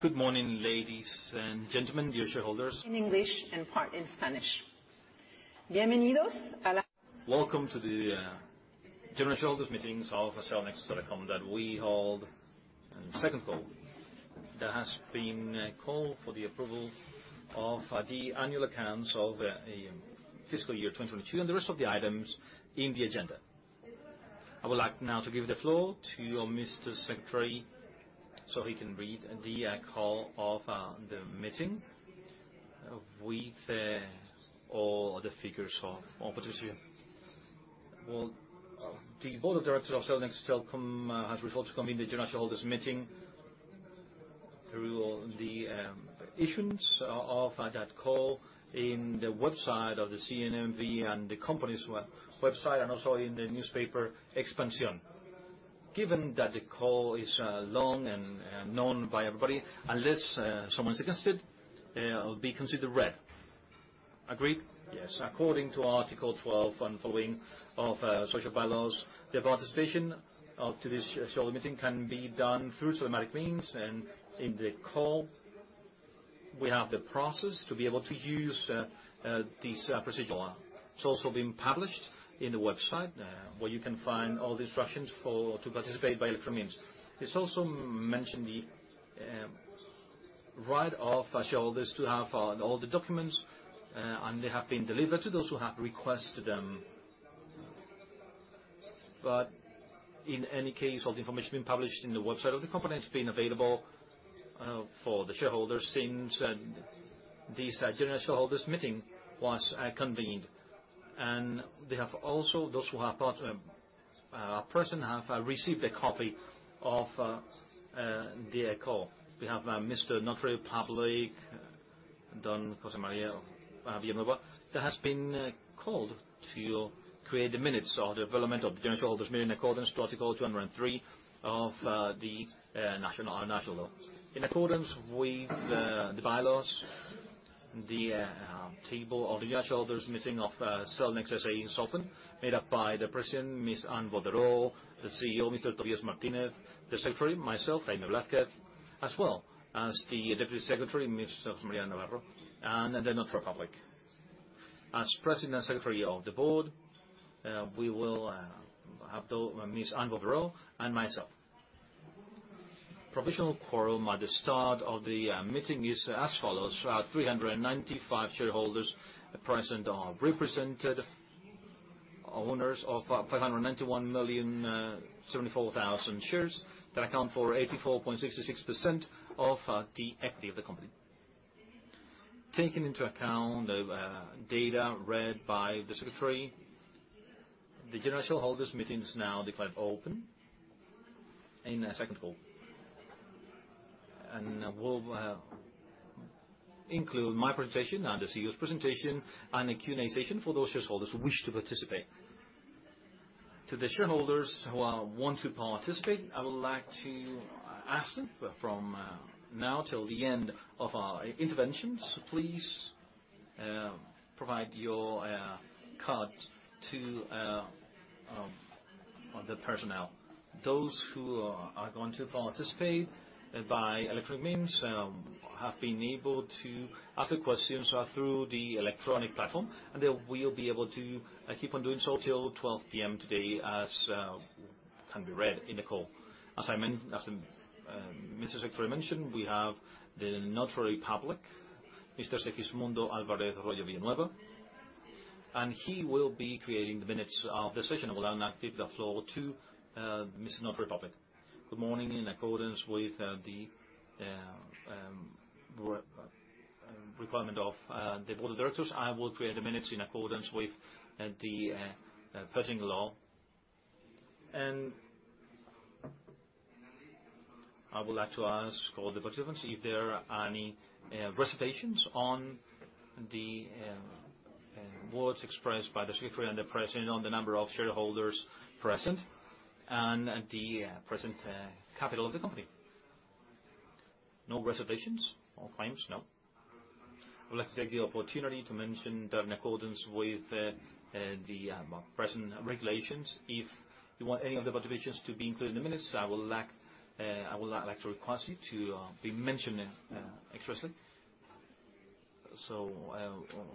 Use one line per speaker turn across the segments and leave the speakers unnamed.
Good morning, ladies and gentlemen, dear shareholders. Welcome to the general shareholders meetings of Cellnex Telecom that we hold in the second call. There has been a call for the approval of the annual accounts of fiscal year 2022, and the rest of the items in the agenda. I would like now to give the floor to Mr. Secretary, so he can read the call of the meeting with all the figures of participation.
The board of directors of Cellnex Telecom has referred to convene the general shareholders' meeting through the issuance of that call in the website of the CNMV and the company's web-website, and also in the newspaper, Expansión. Given that the call is long and known by everybody, unless someone suggests it'll be considered read. Agreed? Yes. According to Article 12 and following of social bylaws, the participation of today's shareholders meeting can be done through telematic means. In the call, we have the process to be able to use these procedural. It's also been published in the website, where you can find all the instructions to participate by electronic means. It's also mentioned the right of shareholders to have all the documents, and they have been delivered to those who have requested them. In any case, all the information being published in the website of the company, it's been available for the shareholders since this general shareholders meeting was convened. They have also, those who have got present, have received a copy of the call. We have Mr. Notary Public, Segismundo Álvarez Royo-Villanova. There has been called to create the minutes of the development of the general shareholders meeting in accordance to Article 203 of our national law. In accordance with the bylaws, the table of the shareholders meeting of Cellnex, SA, is open, made up by the President, Ms. Anne Bouverot, the CEO, Mr. Tobias Martínez, the Secretary, myself, Jaime Velázquez, as well as the Deputy Secretary, Ms. Virginia Navarro, and the Notary Public. As President and Secretary of the board, we will have Ms. Anne Bouverot and myself. Provisional quorum at the start of the meeting is as follows: 395 shareholders at present are represented, owners of 591,074,000 shares, that account for 84.66% of the equity of the company.
Taking into account the data read by the Secretary, the General Shareholders Meeting is now declared open in a second call. We'll include my presentation and the CEO's presentation, and a Q&A session for those shareholders who wish to participate. To the shareholders who want to participate, I would like to ask them, from now till the end of our interventions, please provide your card to the personnel. Those who are going to participate by electronic means have been able to ask the questions through the electronic platform, and they will be able to keep on doing so till 12:00 P.M. today, as can be read in the call. As Mr. Secretary mentioned, we have the Notary Public, Mr. Segismundo Álvarez Royo-Villanova. He will be creating the minutes of the session. I will now give the floor to Mr. Notary Public.
Good morning. In accordance with the requirement of the board of directors, I will create the minutes in accordance with the pertinent law. I would like to ask all the participants if there are any reservations on the words expressed by the Secretary and the President on the number of shareholders present and the present capital of the company. No reservations or claims? No. I would like to take the opportunity to mention that in accordance with the present regulations, if you want any other observations to be included in the minutes, I would like to request you to be mentioned expressly.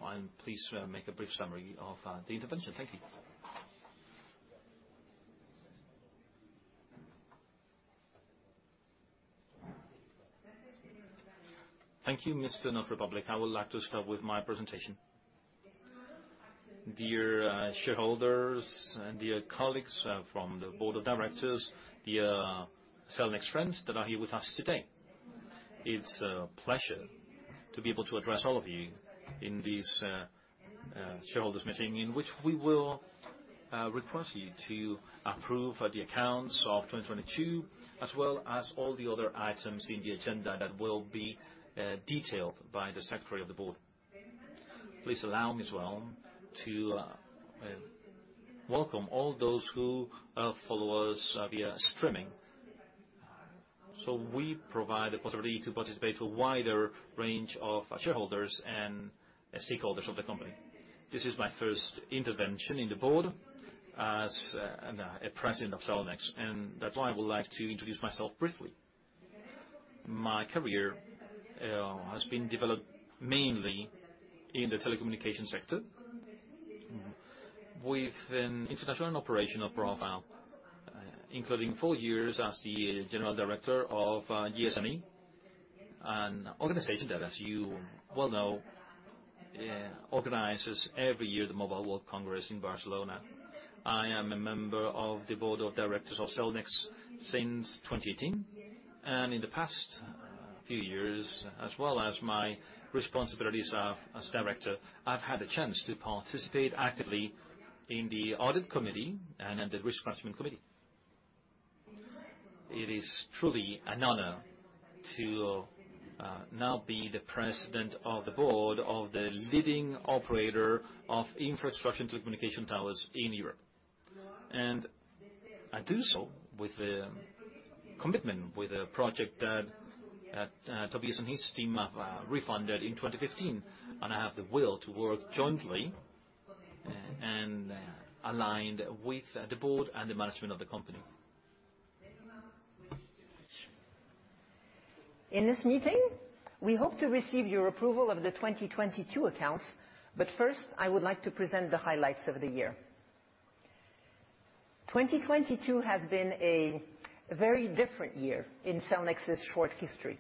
And please make a brief summary of the intervention. Thank you.
Thank you, Mr. Notary Public. I would like to start with my presentation. Dear shareholders and dear colleagues from the Board of Directors, dear Cellnex friends that are here with us today, it's a pleasure to be able to address all of you in this shareholders' meeting, in which we will request you to approve the accounts of 2022, as well as all the other items in the agenda that will be detailed by the Secretary of the Board. Please allow me as well to welcome all those who follow us via streaming. We provide the possibility to participate to a wider range of shareholders and stakeholders of the company. This is my first intervention in the board as a president of Cellnex, that's why I would like to introduce myself briefly. My career has been developed mainly in the telecommunication sector. With an international and operational profile, including four years as the general director of GSMA, an organization that, as you well know, organizes every year the Mobile World Congress in Barcelona. I am a member of the board of directors of Cellnex since 2018, in the past few years, as well as my responsibilities as director, I've had a chance to participate actively in the Audit Committee and in the Risk Management Committee. It is truly an honor to, now be the president of the Board of the leading operator of infrastructure communication towers in Europe. I do so with a commitment, with a project that Tobias and his team have refounded in 2015, and I have the will to work jointly and aligned with the Board and the Management of the company. In this meeting, we hope to receive your approval of the 2022 accounts. First, I would like to present the highlights of the year. 2022 has been a very different year in Cellnex's short history.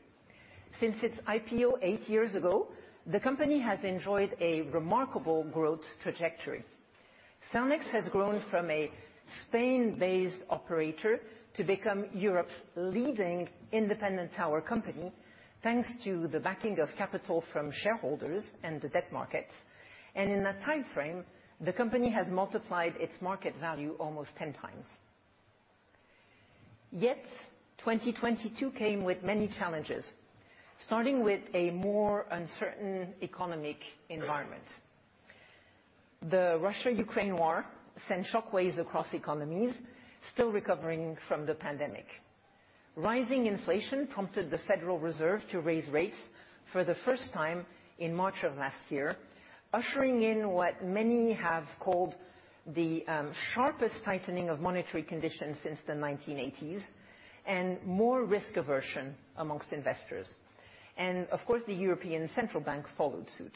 Since its IPO eight years ago, the company has enjoyed a remarkable growth trajectory. Cellnex has grown from a Spain-based operator to become Europe's leading independent tower company, thanks to the backing of capital from shareholders and the debt market. In that time frame, the company has multiplied its market value almost 10 times. Yet, 2022 came with many challenges, starting with a more uncertain economic environment. The Russia-Ukraine War sent shock waves across economies still recovering from the pandemic. Rising inflation prompted the Federal Reserve to raise rates for the first time in March of last year, ushering in what many have called the sharpest tightening of monetary conditions since the 1980s, and more risk aversion amongst investors. Of course, the European Central Bank followed suit.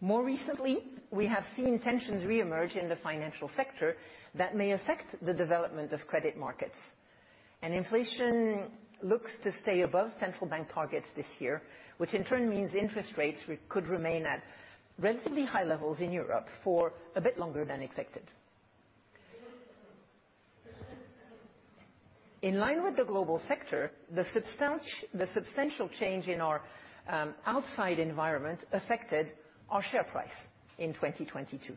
More recently, we have seen tensions reemerge in the financial sector that may affect the development of credit markets. Inflation looks to stay above central bank targets this year, which in turn means interest rates could remain at relatively high levels in Europe for a bit longer than expected. In line with the global sector, the substantial change in our outside environment affected our share price in 2022.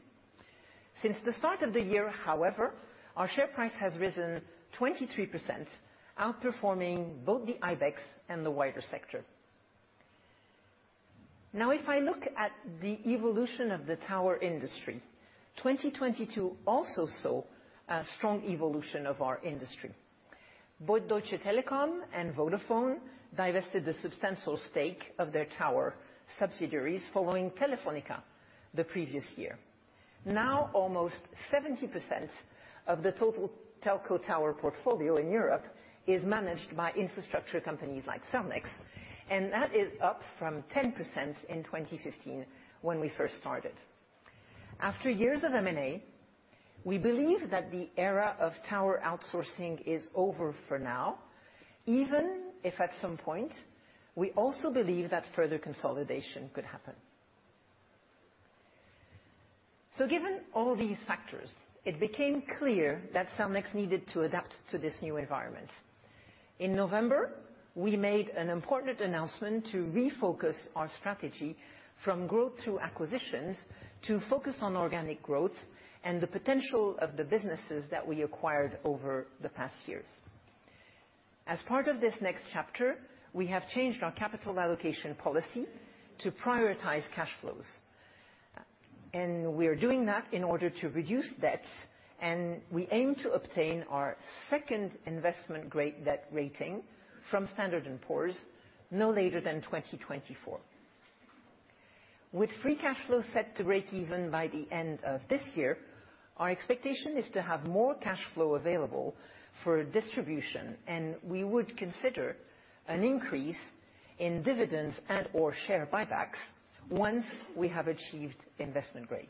Since the start of the year, however, our share price has risen 23%, outperforming both the IBEX and the wider sector. If I look at the evolution of the tower industry, 2022 also saw a strong evolution of our industry. Both Deutsche Telekom and Vodafone divested a substantial stake of their tower subsidiaries following Telefónica the previous year. Almost 70% of the total telco tower portfolio in Europe is managed by infrastructure companies like Cellnex, and that is up from 10% in 2015 when we first started. After years of M&A, we believe that the era of tower outsourcing is over for now, even if at some point, we also believe that further consolidation could happen. Given all these factors, it became clear that Cellnex needed to adapt to this new environment.
In November, we made an important announcement to refocus our strategy from growth through acquisitions, to focus on organic growth and the potential of the businesses that we acquired over the past years. As part of this next chapter, we have changed our capital allocation policy to prioritize cash flows, and we are doing that in order to reduce debts, and we aim to obtain our second investment grade debt rating from Standard & Poor's no later than 2024. With free cash flow set to break even by the end of this year, our expectation is to have more cash flow available for distribution, and we would consider an increase in dividends and/or share buybacks once we have achieved investment grade.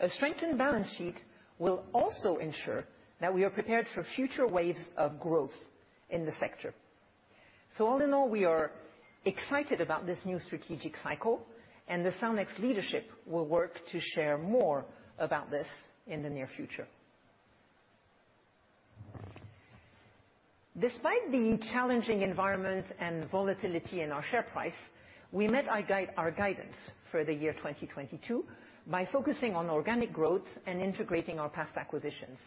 A strengthened balance sheet will also ensure that we are prepared for future waves of growth in the sector.
All in all, we are excited about this new strategic cycle, and the Cellnex leadership will work to share more about this in the near future. Despite the challenging environment and volatility in our share price, we met our guide, our guidance for the year 2022 by focusing on organic growth and integrating our past acquisitions,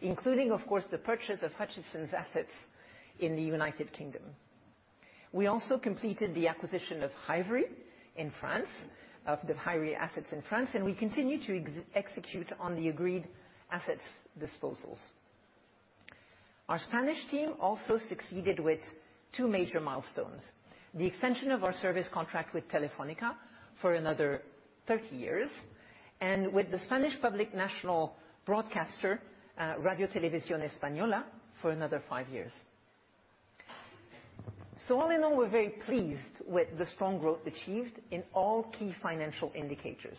including, of course, the purchase of Hutchison's assets in the United Kingdom. We also completed the acquisition of Hivory in France, of the Hivory assets in France, and we continue to execute on the agreed assets disposals. Our Spanish team also succeeded with two major milestones: the extension of our service contract with Telefónica for another 30 years, and with the Spanish public national broadcaster, Radiotelevisión Española, for another five years. All in all, we're very pleased with the strong growth achieved in all key financial indicators.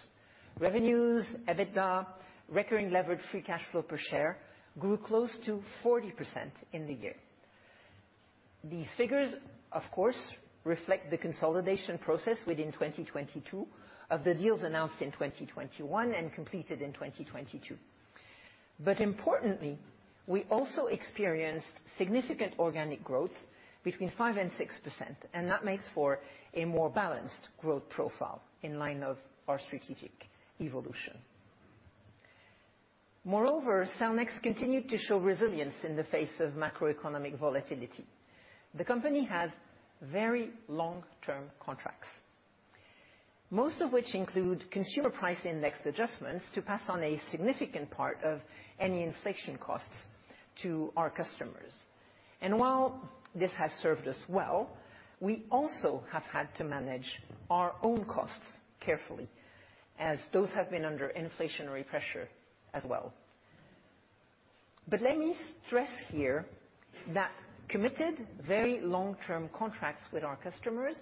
Revenues, EBITDA, recurring levered free cash flow per share, grew close to 40% in the year. These figures, of course, reflect the consolidation process within 2022 of the deals announced in 2021 and completed in 2022. Importantly, we also experienced significant organic growth between 5% and 6%, and that makes for a more balanced growth profile in line of our strategic evolution. Moreover, Cellnex continued to show resilience in the face of macroeconomic volatility. The company has very long-term contracts, most of which include consumer price index adjustments to pass on a significant part of any inflation costs to our customers. While this has served us well, we also have had to manage our own costs carefully, as those have been under inflationary pressure as well. Let me stress here that committed, very long-term contracts with our customers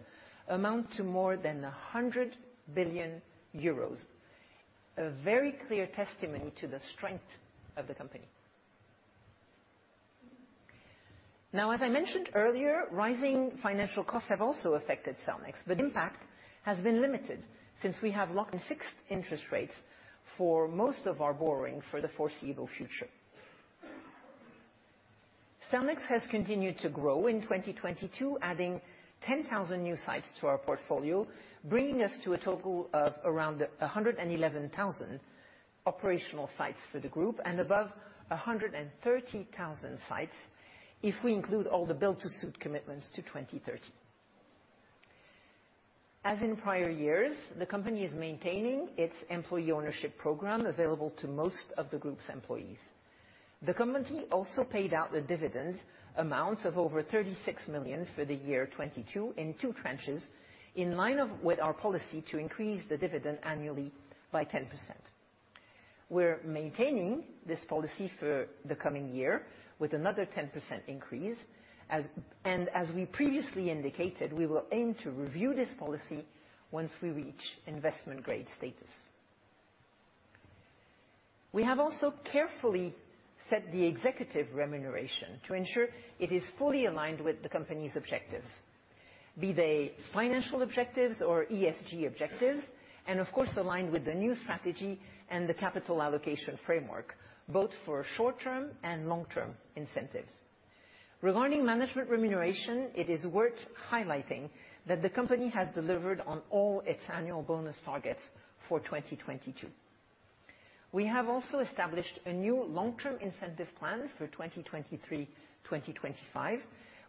amount to more than 100 billion euros. A very clear testament to the strength of the company. As I mentioned earlier, rising financial costs have also affected Cellnex, but impact has been limited since we have locked in fixed interest rates for most of our borrowing for the foreseeable future. Cellnex has continued to grow in 2022, adding 10,000 new sites to our portfolio, bringing us to a total of around 111,000 operational sites for the group, and above 130,000 sites if we include all the build-to-suit commitments to 2030. As in prior years, the company is maintaining its employee ownership program available to most of the group's employees. The company also paid out the dividend amounts of over 36 million for the year 2022 in two tranches, in line of with our policy to increase the dividend annually by 10%. We're maintaining this policy for the coming year with another 10% increase. As we previously indicated, we will aim to review this policy once we reach investment grade status. We have also carefully set the executive remuneration to ensure it is fully aligned with the company's objectives, be they financial objectives or ESG objectives, and of course, aligned with the new strategy and the capital allocation framework, both for short-term and long-term incentives. Regarding management remuneration, it is worth highlighting that the company has delivered on all its annual bonus targets for 2022. We have also established a new long-term incentive plan for 2023-2025,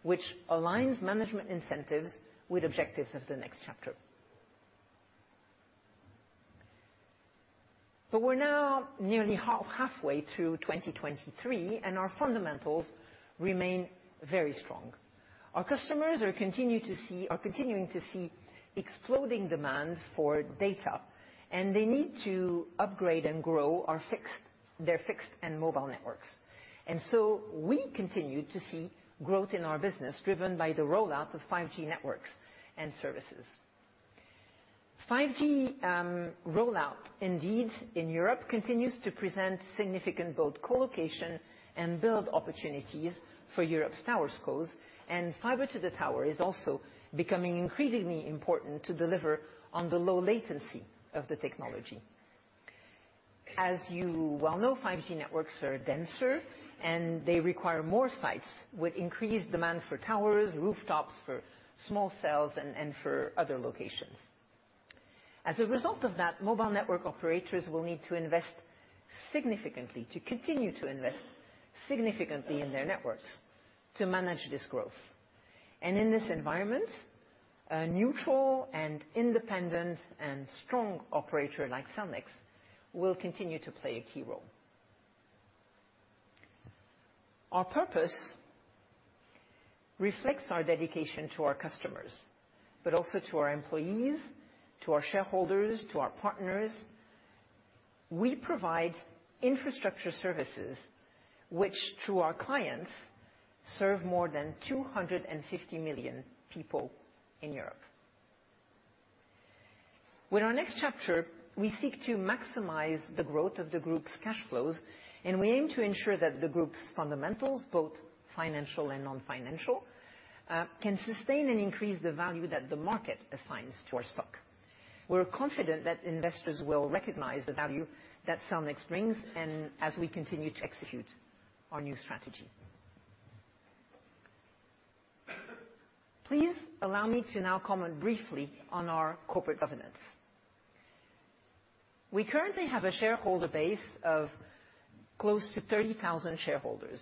which aligns management incentives with objectives of the next chapter. We're now nearly halfway through 2023, and our fundamentals remain very strong. Our customers are continuing to see exploding demand for data, and they need to upgrade and grow their fixed and mobile networks. We continue to see growth in our business, driven by the rollout of 5G networks and services. 5G rollout, indeed, in Europe, continues to present significant both co-location and build opportunities for Europe's tower scores, and fiber to the tower is also becoming increasingly important to deliver on the low latency of the technology. As you well know, 5G networks are denser, and they require more sites with increased demand for towers, rooftops for small cells, and for other locations. As a result of that, mobile network operators will need to invest significantly, to continue to invest significantly in their networks to manage this growth. In this environment, a neutral and independent and strong operator like Cellnex will continue to play a key role. Our purpose reflects our dedication to our customers, but also to our employees, to our shareholders, to our partners. We provide infrastructure services, which, through our clients, serve more than 250 million people in Europe. With our next chapter, we seek to maximize the growth of the group's cash flows. We aim to ensure that the group's fundamentals, both financial and non-financial, can sustain and increase the value that the market assigns to our stock. We're confident that investors will recognize the value that Cellnex brings and as we continue to execute our new strategy. Please allow me to now comment briefly on our corporate governance. We currently have a shareholder base of close to 30,000 shareholders.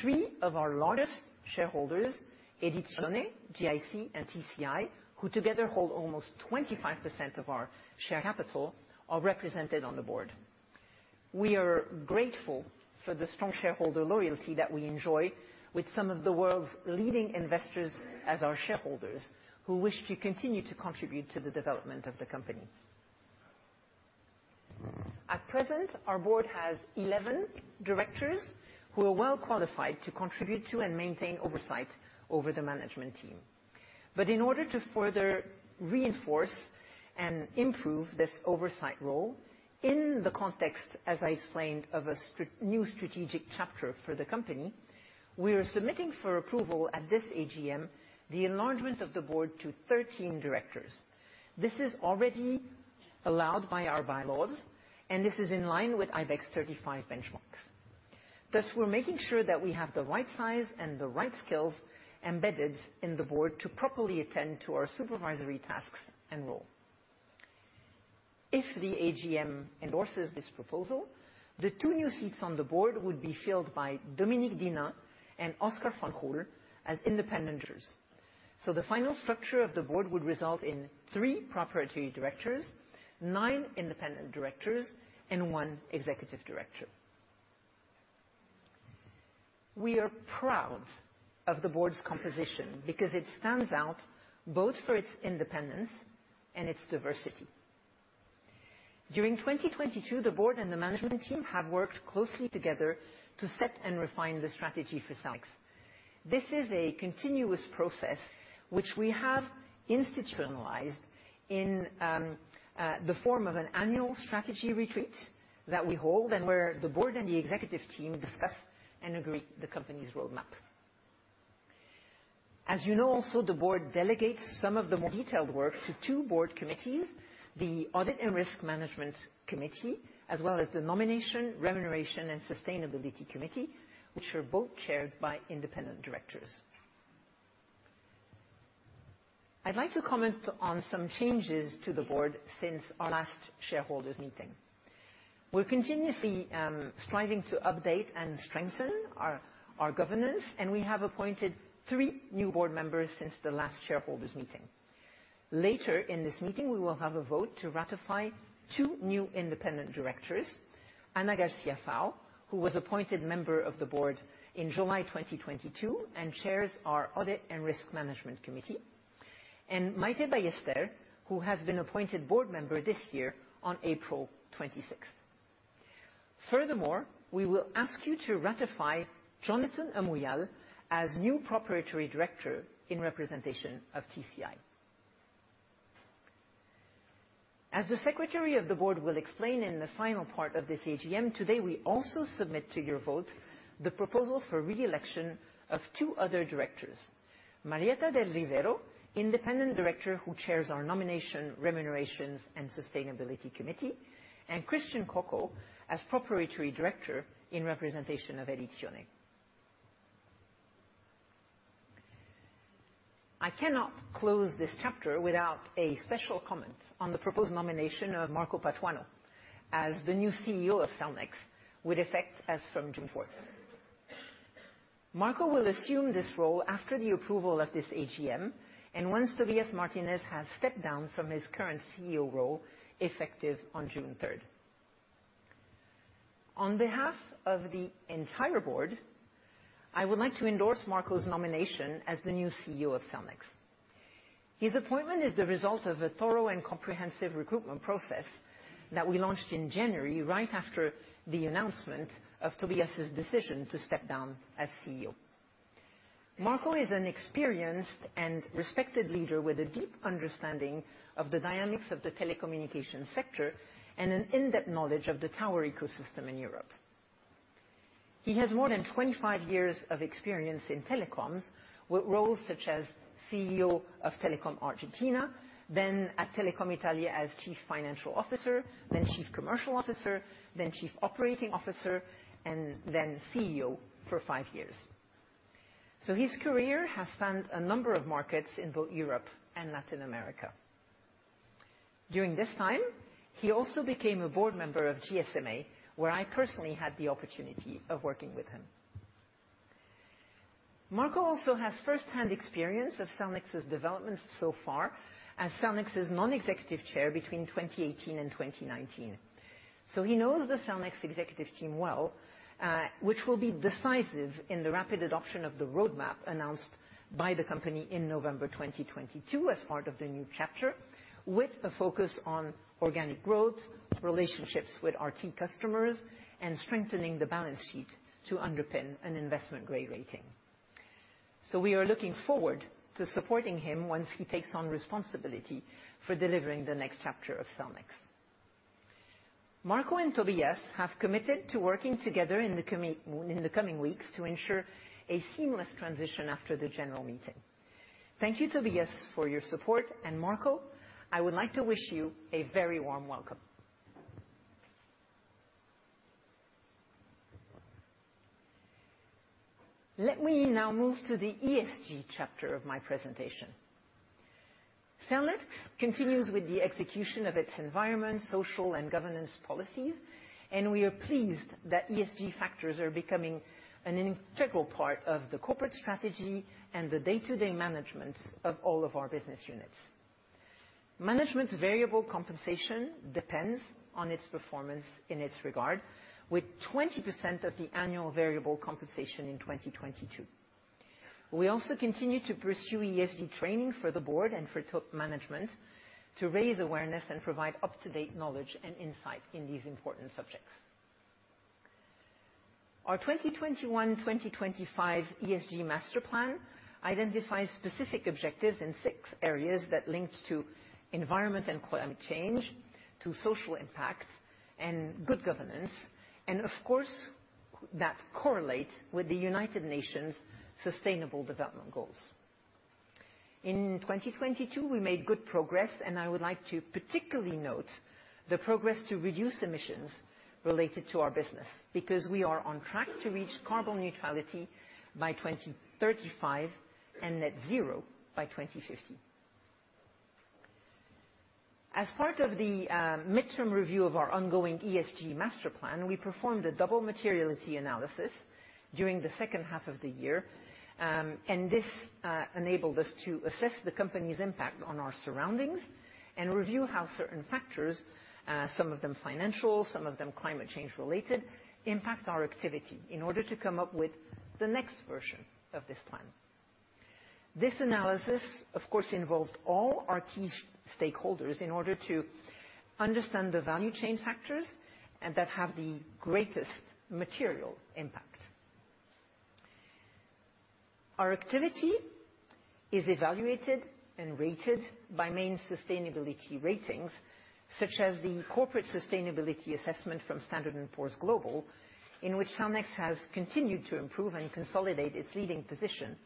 Three of our largest shareholders, Edizione, GIC, and TCI, who together hold almost 25% of our share capital, are represented on the board. We are grateful for the strong shareholder loyalty that we enjoy with some of the world's leading investors as our shareholders, who wish to continue to contribute to the development of the company. At present, our board has 11 directors who are well qualified to contribute to and maintain oversight over the management team. In order to further reinforce and improve this oversight role, in the context, as I explained, of a new strategic chapter for the company, we are submitting for approval at this AGM, the enlargement of the board to 13 directors. This is already allowed by our bylaws, this is in line with IBEX 35 benchmarks. Thus, we're making sure that we have the right size and the right skills embedded in the board to properly attend to our supervisory tasks and role. If the AGM endorses this proposal, the two new seats on the board would be filled by Dominique D'Hinnin and Oscar Fanjul as independent directors. The final structure of the board would result in three proprietary directors, nine independent directors, and one executive director. We are proud of the board's composition because it stands out both for its independence and its diversity. During 2022, the board and the management team have worked closely together to set and refine the strategy for Cellnex. This is a continuous process which we have institutionalized in the form of an annual strategy retreat that we hold and where the board and the executive team discuss and agree the company's roadmap. As you know, also, the board delegates some of the more detailed work to two board committees, the Audit and Risk Management Committee, as well as the Nominations, Remunerations and Sustainability Committee, which are both chaired by independent directors. I'd like to comment on some changes to the board since our last shareholders' meeting.
We're continuously striving to update and strengthen our governance. We have appointed three new board members since the last shareholders' meeting. Later in this meeting, we will have a vote to ratify two new independent directors, Ana García Fau, who was appointed member of the board in July 2022 and chairs our Audit and Risk Management Committee. Maite Ballester, who has been appointed board member this year on April 26th. Furthermore, we will ask you to ratify Jonathan Amouyal as new Proprietary Director in representation of TCI. As the Secretary of the Board will explain in the final part of this AGM, today, we also submit to your vote the proposal for re-election of two other directors: Marieta del Rivero, Independent Director, who chairs our Nominations, Remunerations and Sustainability Committee. Christian Coco as Proprietary Director in representation of Edizione.
I cannot close this chapter without a special comment on the proposed nomination of Marco Patuano as the new CEO of Cellnex, with effect as from June 4th. Marco will assume this role after the approval of this AGM and once Tobias Martinez has stepped down from his current CEO role, effective on June 3rd. On behalf of the entire board, I would like to endorse Marco's nomination as the new CEO of Cellnex. His appointment is the result of a thorough and comprehensive recruitment process that we launched in January, right after the announcement of Tobias's decision to step down as CEO. Marco is an experienced and respected leader with a deep understanding of the dynamics of the telecommunication sector and an in-depth knowledge of the tower ecosystem in Europe. He has more than 25 years of experience in telecoms, with roles such as CEO of Telecom Argentina, then at Telecom Italia as Chief Financial Officer, then Chief Commercial Officer, then Chief Operating Officer, and then CEO for five years. His career has spanned a number of markets in both Europe and Latin America. During this time, he also became a board member of GSMA, where I personally had the opportunity of working with him. Marco also has first-hand experience of Cellnex's development so far as Cellnex's Non-Executive Chair between 2018 and 2019. He knows the Cellnex executive team well, which will be decisive in the rapid adoption of the roadmap announced by the company in November 2022 as part of the new chapter, with a focus on organic growth, relationships with our key customers, and strengthening the balance sheet to underpin an investment-grade rating. We are looking forward to supporting him once he takes on responsibility for delivering the next chapter of Cellnex. Marco and Tobias have committed to working together in the coming weeks to ensure a seamless transition after the general meeting. Thank you, Tobias, for your support, and Marco, I would like to wish you a very warm welcome. Let me now move to the ESG chapter of my presentation. Cellnex continues with the execution of its environment, social, and governance policies. We are pleased that ESG factors are becoming an integral part of the corporate strategy and the day-to-day management of all of our business units. Management's variable compensation depends on its performance in its regard, with 20% of the annual variable compensation in 2022. We also continue to pursue ESG training for the board and for top management to raise awareness and provide up-to-date knowledge and insight in these important subjects. Our 2021, 2025 ESG master plan identifies specific objectives in six areas that link to environment and climate change, to social impact and good governance, and of course, that correlate with the United Nations Sustainable Development Goals. In 2022, we made good progress, and I would like to particularly note the progress to reduce emissions related to our business, because we are on track to reach carbon neutrality by 2035 and net zero by 2050. As part of the midterm review of our ongoing ESG master plan, we performed a double materiality analysis during the second half of the year. This enabled us to assess the company's impact on our surroundings and review how certain factors, some of them financial, some of them climate change-related, impact our activity in order to come up with the next version of this plan. This analysis, of course, involved all our key stakeholders in order to understand the value chain factors and that have the greatest material impact. Our activity is evaluated and rated by main sustainability ratings, such as the Corporate Sustainability Assessment from S&P Global, in which Cellnex has continued to improve and consolidate its leading position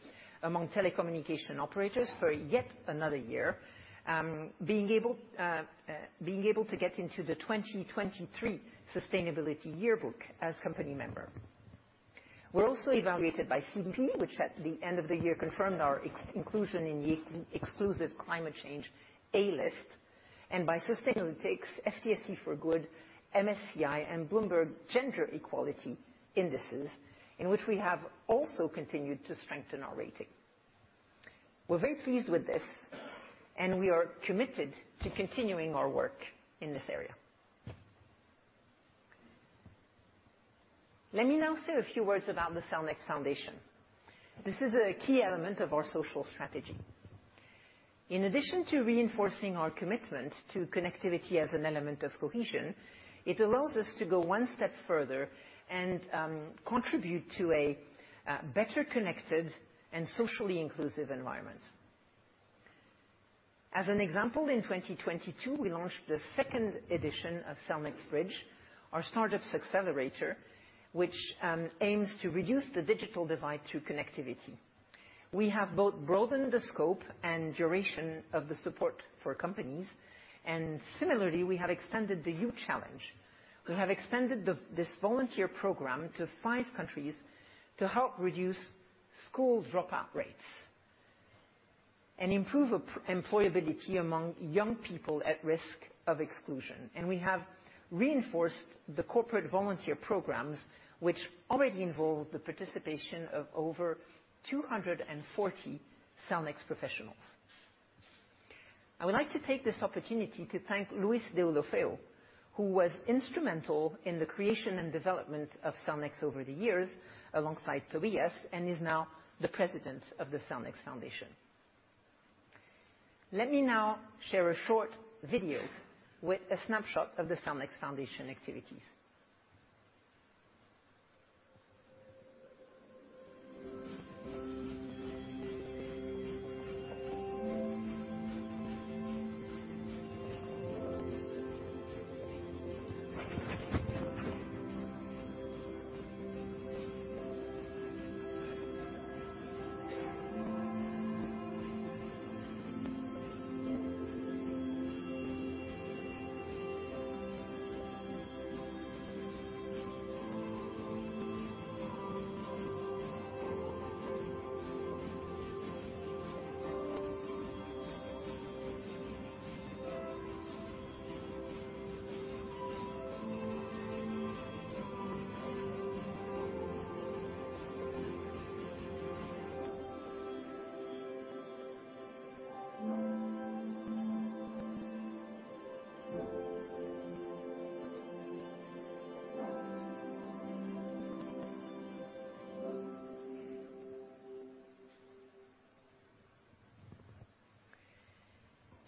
among telecommunication operators for yet another year, being able to get into the 2023 Sustainability Yearbook as company member. We're also evaluated by CDP, which at the end of the year, confirmed our inclusion in the exclusive Climate Change A List, and by Sustainalytics, FTSE4Good, MSCI, and Bloomberg Gender-Equality Indices, in which we have also continued to strengthen our rating. We're very pleased with this, and we are committed to continuing our work in this area. Let me now say a few words about the Cellnex Foundation. This is a key element of our social strategy. In addition to reinforcing our commitment to connectivity as an element of cohesion, it allows us to go one step further and contribute to a better connected and socially inclusive environment. As an example, in 2022, we launched the second edition of Cellnex Bridge, our startups accelerator, which aims to reduce the digital divide through connectivity. We have both broadened the scope and duration of the support for companies, and similarly, we have extended the Youth Challenge. We have extended this volunteer program to five countries to help reduce school dropout rates and improve employability among young people at risk of exclusion. We have reinforced the corporate volunteer programs, which already involve the participation of over 240 Cellnex professionals. I would like to take this opportunity to thank Lluís Deulofeu, who was instrumental in the creation and development of Cellnex over the years, alongside Tobias Martinez, and is now the President of the Cellnex Foundation. Let me now share a short video with a snapshot of the Cellnex Foundation activities.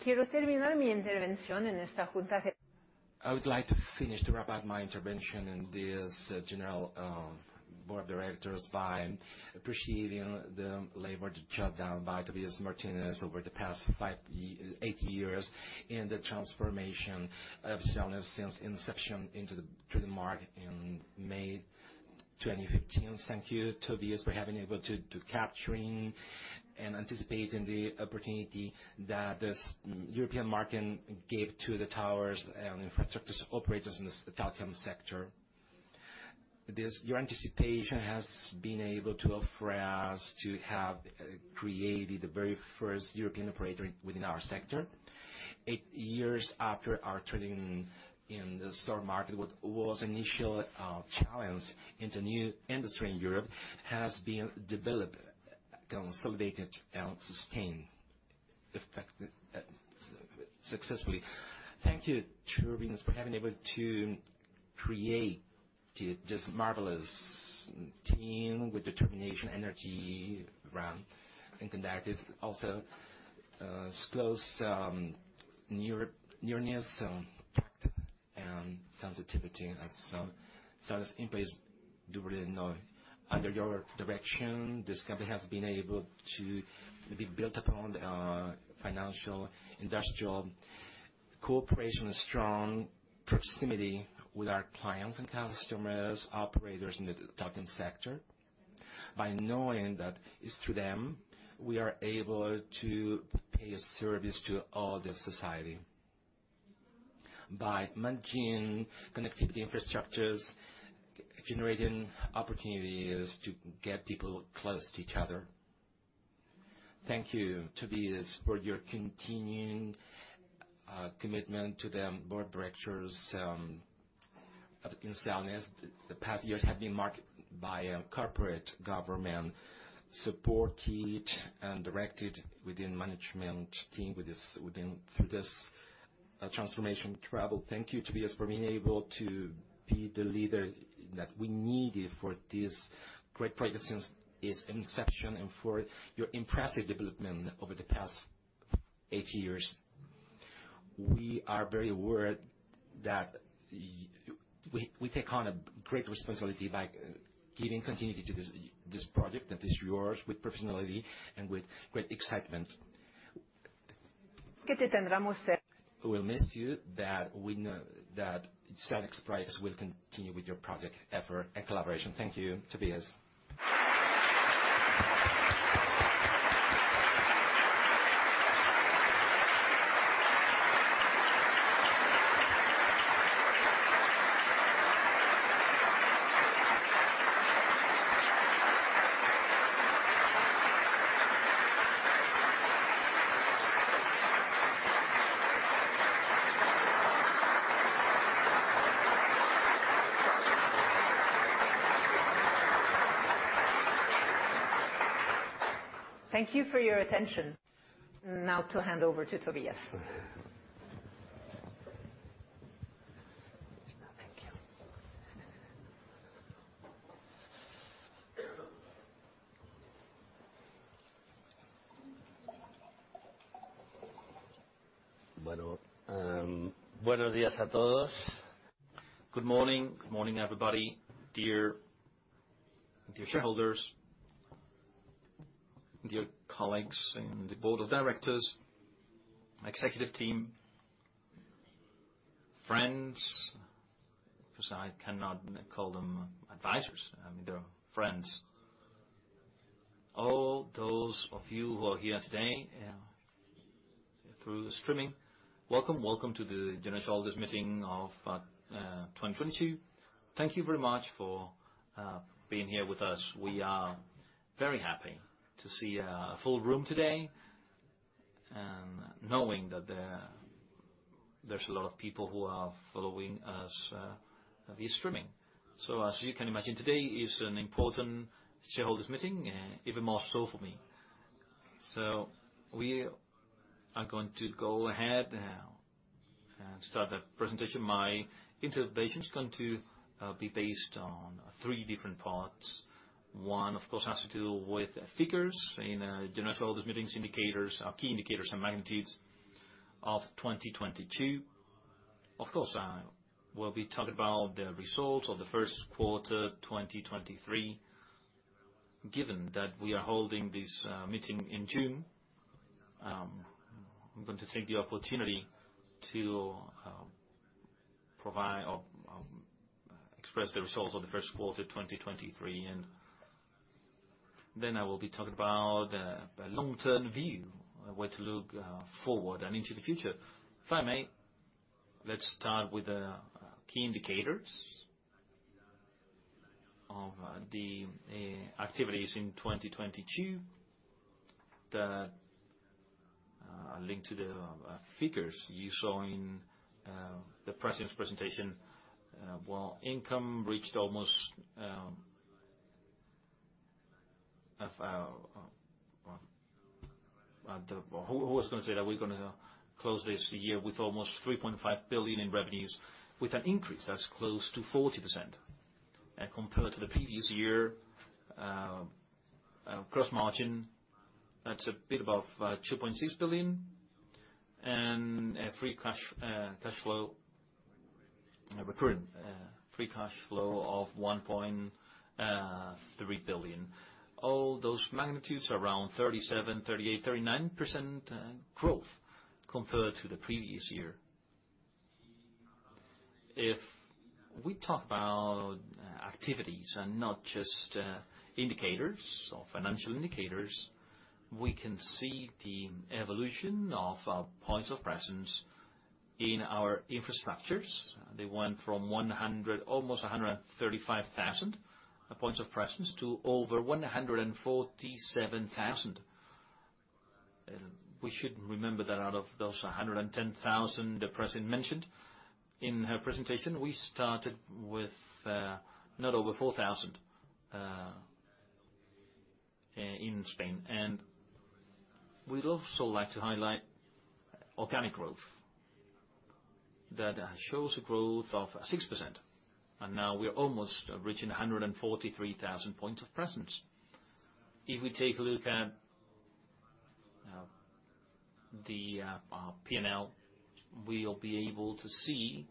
I would like to finish, to wrap up my intervention in this general board of directors by appreciating the labor done by Tobias Martinez over the past eight years in the transformation of Cellnex since inception into the market in May 2015. Thank you, Tobias, for having able to capturing and anticipating the opportunity that this European market gave to the towers and infrastructures operators in the telecom sector. This, your anticipation has been able to offer us to have created the very first European operator within our sector. Eight years after our trading in the stock market, what was initial challenge into new industry in Europe, has been developed, consolidated and sustain effect successfully. Thank you, Tobias, for having able to create this marvelous team with determination, energy around, and conduct is also close, near, nearness, tact, and sensitivity as some service employees do really know. Under your direction, this company has been able to be built upon financial, industrial cooperation, strong proximity with our clients and customers, operators in the telecom sector. By knowing that it's through them, we are able to pay a service to all the society. By maintaining connectivity infrastructures, generating opportunities to get people close to each other. Thank you, Tobias, for your continuing commitment to the board of directors of Cellnex. The past years have been marked by a corporate government, supported and directed within management team, through this transformation travel. Thank you, Tobias, for being able to be the leader that we needed for this great project since its inception and for your impressive development over the past eight years. We are very aware that we take on a great responsibility by giving continuity to this project that is yours, with personality and with great excitement. We'll miss you, that we know that Cellnex Bridge will continue with your project, effort, and collaboration. Thank you, Tobias. Thank you for your attention. Now to hand over to Tobias. Thank you.
Good morning, everybody. Dear shareholders, dear colleagues, and the board of directors, executive team, friends, 'cause I cannot call them advisors, they're friends. All those of you who are here today through streaming, welcome. Welcome to the general shareholders meeting of 2022. Thank you very much for being here with us. We are very happy to see a full room today, and knowing that there's a lot of people who are following us via streaming. As you can imagine, today is an important shareholders meeting, even more so for me. We are going to go ahead now and start the presentation. My interpretation is going to be based on three different parts. One, of course, has to do with figures in a general shareholders meetings indicators, key indicators and magnitudes of 2022. Of course, we'll be talking about the results of the first quarter, 2023. Given that we are holding this meeting in June, I'm going to take the opportunity to provide or express the results of the first quarter, 2023, and then I will be talking about the long-term view, a way to look forward and into the future. If I may, let's start with the key indicators of the activities in 2022 that are linked to the figures you saw in the president's presentation. Well, income reached almost, who was gonna say that we're gonna close this year with almost 3.5 billion in revenues, with an increase that's close to 40%? Compared to the previous year, gross margin, that's a bit above 2.6 billion, and a free cash flow, a recurring free cash flow of 1.3 billion. All those magnitudes, around 37%, 38%, 39% growth compared to the previous year. If we talk about activities and not just indicators or financial indicators, we can see the evolution of our points of presence in our infrastructures. They went from almost 135,000 points of presence to over 147,000. We should remember that out of those 110,000 the president mentioned in her presentation, we started with not over 4,000 in Spain. We'd also like to highlight organic growth, that shows a growth of 6%, and now we are almost reaching 143,000 points of presence. If we take a look at the our P&L, we'll be able to see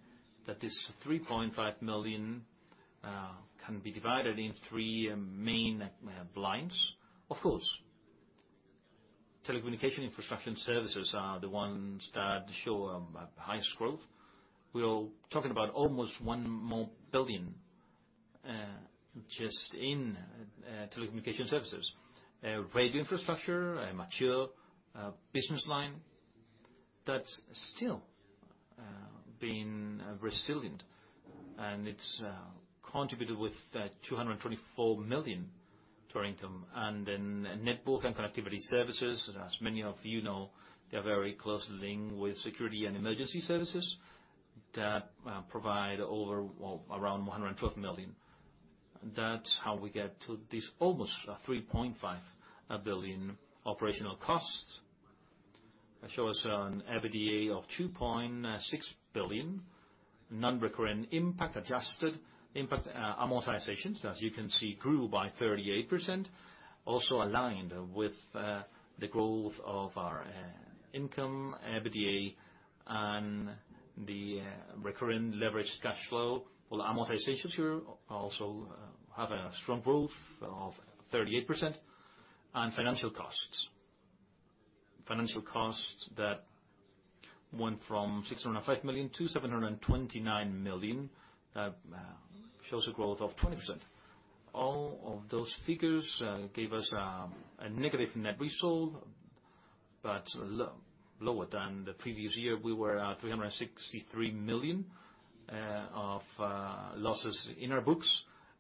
that this 3.5 million can be divided in three main lines. Of course, telecommunication infrastructure and services are the ones that show highest growth. We're talking about almost 1 billion just in telecommunication services. A radio infrastructure, a mature business line that's still being resilient, and it's contributed with 224 million to our income. Network and connectivity services, as many of you know, they're very closely linked with security and emergency services that provide over, well, around 112 million. That's how we get to this almost 3.5 billion operational costs. That shows us an EBITDA of 2.6 billion. Non-recurring impact, adjusted impact, amortizations, as you can see, grew by 38%, also aligned with the growth of our income, EBITDA, and the recurring leveraged cash flow. Amortizations here also have a strong growth of 38%, and financial costs. Financial costs that went from 605 million to 729 million, shows a growth of 20%. All of those figures gave us a negative net result, but lower than the previous year. We were at 363 million of losses in our books,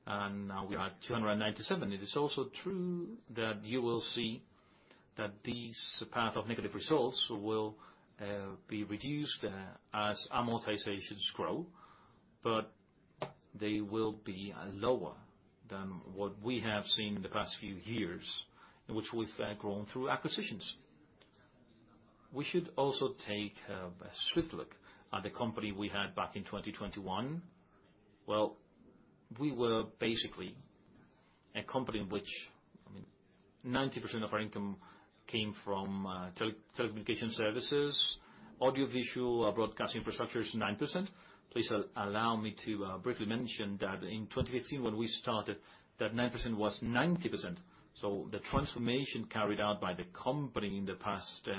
and now we are at 297 million. It is also true that you will see that this path of negative results will be reduced as amortizations grow, but they will be lower than what we have seen in the past few years, in which we've grown through acquisitions. We should also take a swift look at the company we had back in 2021. Well, we were basically a company in which, I mean, 90% of our income came from telecommunication services, audio visual broadcasting infrastructure is 9%. Please allow me to briefly mention that in 2015, when we started, that 9% was 90%. The transformation carried out by the company in the past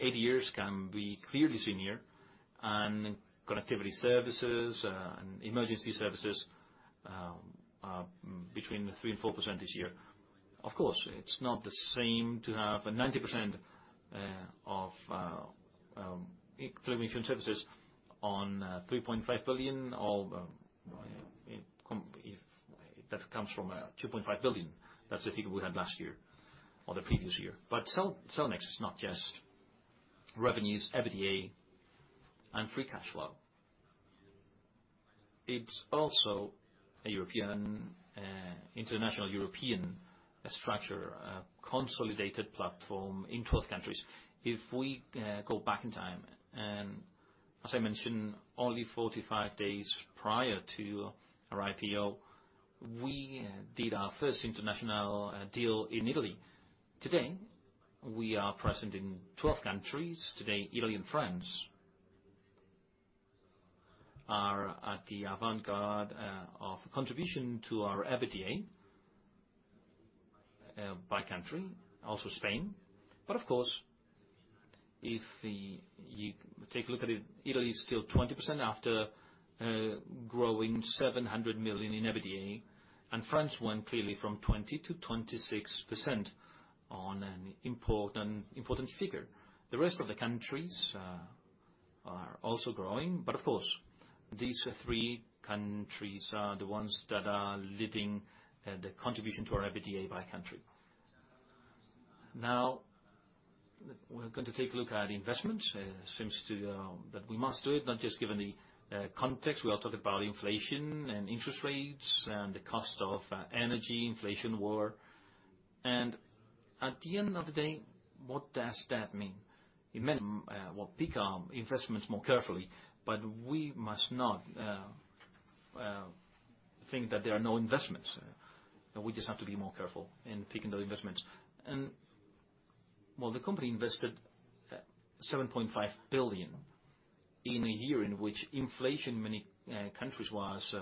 eight years can be clearly seen here. Connectivity services and emergency services are between 3% and 4% this year. Of course, it's not the same to have 90% of telecommunication services on 3.5 billion, or That comes from 2.5 billion. That's the figure we had last year or the previous year. Cellnex is not just revenues, EBITDA, and free cash flow. It's also a European, international European structure, a consolidated platform in 12 countries. If we go back in time, and as I mentioned, only 45 days prior to our IPO, we did our first international deal in Italy. Today, we are present in 12 countries. Today, Italy and France are at the avant-garde of contribution to our EBITDA by country, also Spain. Of course, if you take a look at it, Italy is still 20% after growing 700 million in EBITDA, and France went clearly from 20%-26% on an important figure. The rest of the countries are also growing, but of course, these three countries are the ones that are leading the contribution to our EBITDA by country. We're going to take a look at investments, seems that we must do it, not just given the context. We are talking about inflation and interest rates and the cost of energy, inflation, war. At the end of the day, what does that mean? It meant we'll pick our investments more carefully, but we must not think that there are no investments. We just have to be more careful in picking the investments. The company invested 7.5 billion in a year in which inflation in many countries was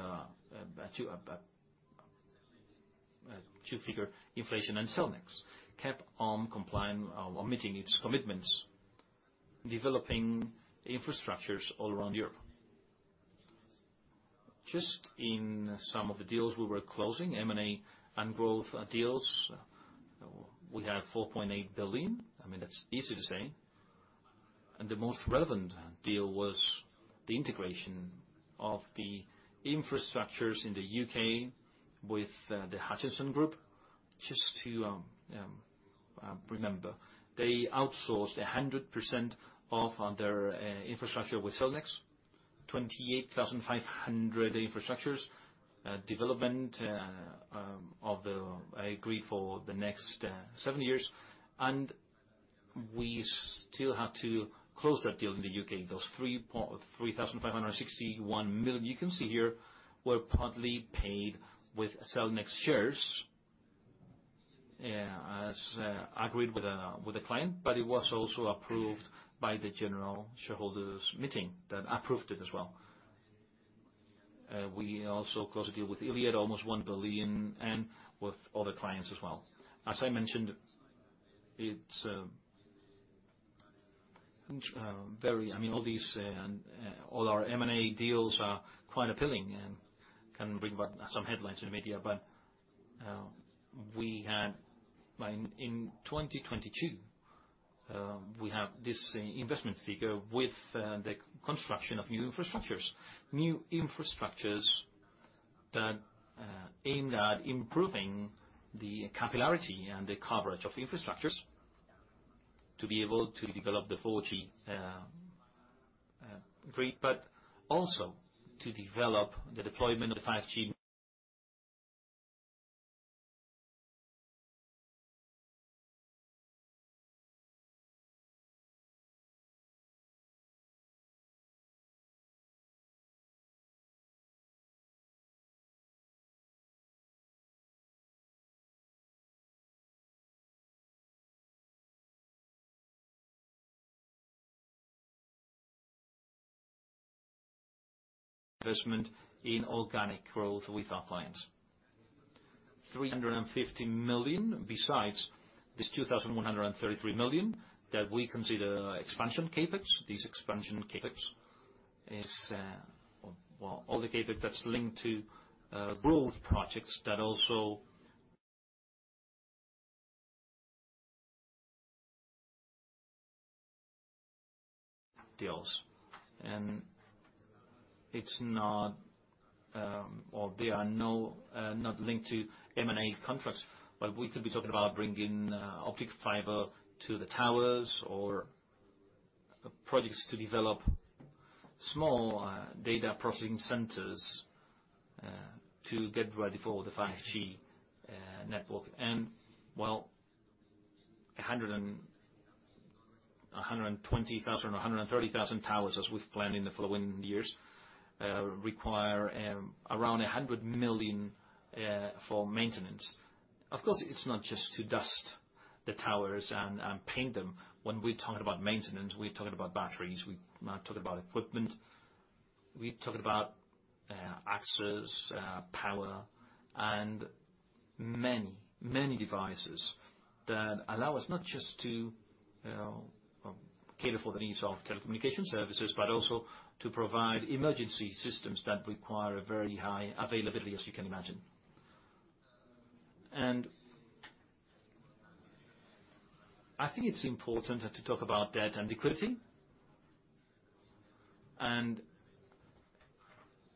two-figure inflation, and Cellnex kept on complying or meeting its commitments, developing infrastructures all around Europe. Just in some of the deals we were closing, M&A and growth deals, we had 4.8 billion. I mean, that's easy to say. The most relevant deal was the integration of the infrastructures in the UK with CK Hutchison. Just to remember, they outsourced 100% of their infrastructure with Cellnex, 28,500 infrastructures, development of the agreed for the next seven years, and we still have to close that deal in the UK. Those 3,561 million, you can see here, were partly paid with Cellnex shares, as agreed with the client, but it was also approved by the general shareholders meeting, that approved it as well. We also closed a deal with Iliad, almost 1 billion, and with other clients as well. As I mentioned, it's very. I mean, all these, all our M&A deals are quite appealing and can bring about some headlines in the media. We had, in 2022, we have this investment figure with the construction of new infrastructures. New infrastructures that aimed at improving the capillarity and the coverage of infrastructures, to be able to develop the 4G grid, but also to develop the deployment of the 5G investment in organic growth with our clients. 350 million, besides this 2,133 million, that we consider expansion CapEx. These expansion CapEx is, well, all the CapEx that's linked to growth projects that also deals. It's not, or there are no, not linked to M&A contracts, but we could be talking about bringing optic fiber to the towers or projects to develop small data processing centers to get ready for the 5G network. well, 120,000 or 130,000 towers, as we've planned in the following years, require around 100 million for maintenance. Of course, it's not just to dust the towers and paint them. When we're talking about maintenance, we're talking about batteries, we might talk about equipment, we talk about axes, power, and many, many devices that allow us not just to cater for the needs of telecommunication services, but also to provide emergency systems that require a very high availability, as you can imagine. I think it's important to talk about debt and liquidity.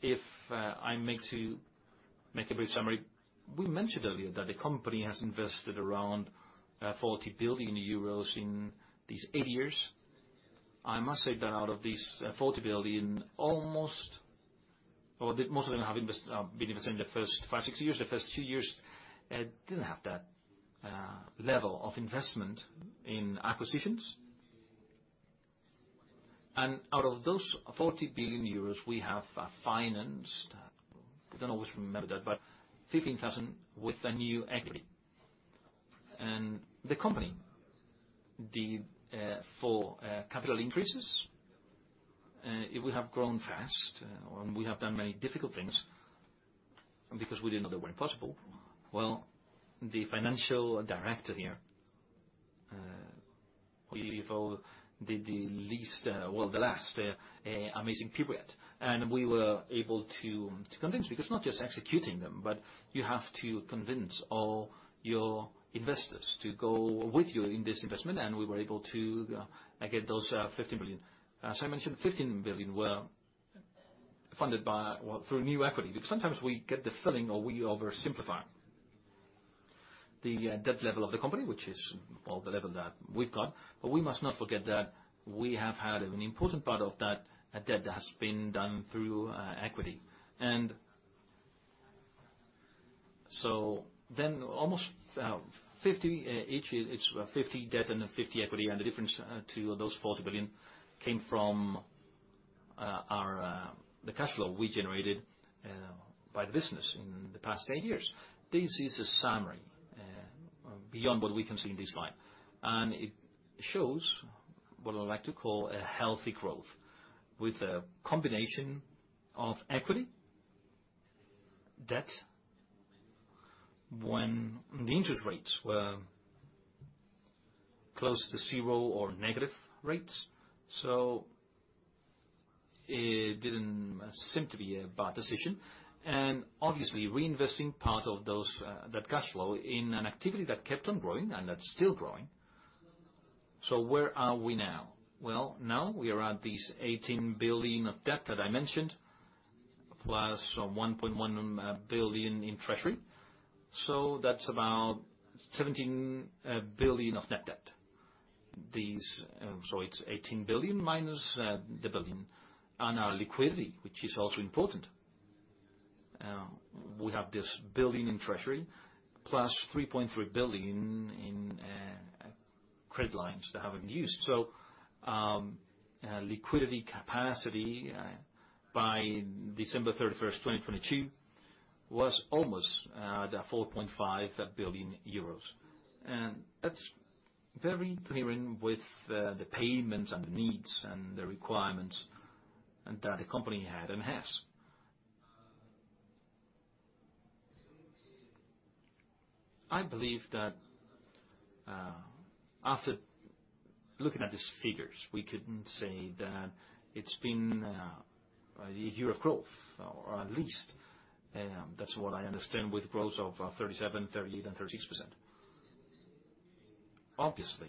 If I make a brief summary, we mentioned earlier that the company has invested around 40 billion euros in these eight years. I must say that out of these, 40 billion, almost, or the most of them have been invested in the first five, six years. The first two years, didn't have that, level of investment in acquisitions. Out of those 40 billion euros, we have, financed, I don't always remember that, but 15,000 with a new equity. The company did, for, four capital increases, it would have grown fast, and we have done many difficult things, because we didn't know they were possible. The financial director here, we leave all the least, well, the last amazing period, and we were able to convince, because not just executing them, but you have to convince all your investors to go with you in this investment, and we were able to get those 15 billion. As I mentioned, 15 billion were funded by, well, through new equity. Sometimes we get the feeling or we oversimplify the debt level of the company, which is, well, the level that we've got. We must not forget that we have had an important part of that debt that has been done through equity. Almost 50 each, it's 50 debt and 50 equity, and the difference to those 40 billion came from our the cash flow we generated by the business in the past eight years. This is a summary beyond what we can see in this slide, and it shows what I like to call a healthy growth with a combination of equity, debt, when the interest rates were close to zero or negative rates. It didn't seem to be a bad decision, and obviously, reinvesting part of those that cash flow in an activity that kept on growing and that's still growing. Where are we now? Well, now we are at this 18 billion of debt that I mentioned, plus 1.1 billion in treasury. That's about 17 billion of net debt. These... It's 18 billion minus 1 billion, and our liquidity, which is also important. We have 1 billion in treasury, plus 3.3 billion in credit lines that haven't been used. Liquidity capacity by December 31, 2022, was almost 4.5 billion euros. That's very clear in with the payments and the needs and the requirements, and that the company had and has. I believe that, after looking at these figures, we can say that it's been a year of growth, or at least, that's what I understand, with growth of 37%, 38%, and 36%. Obviously,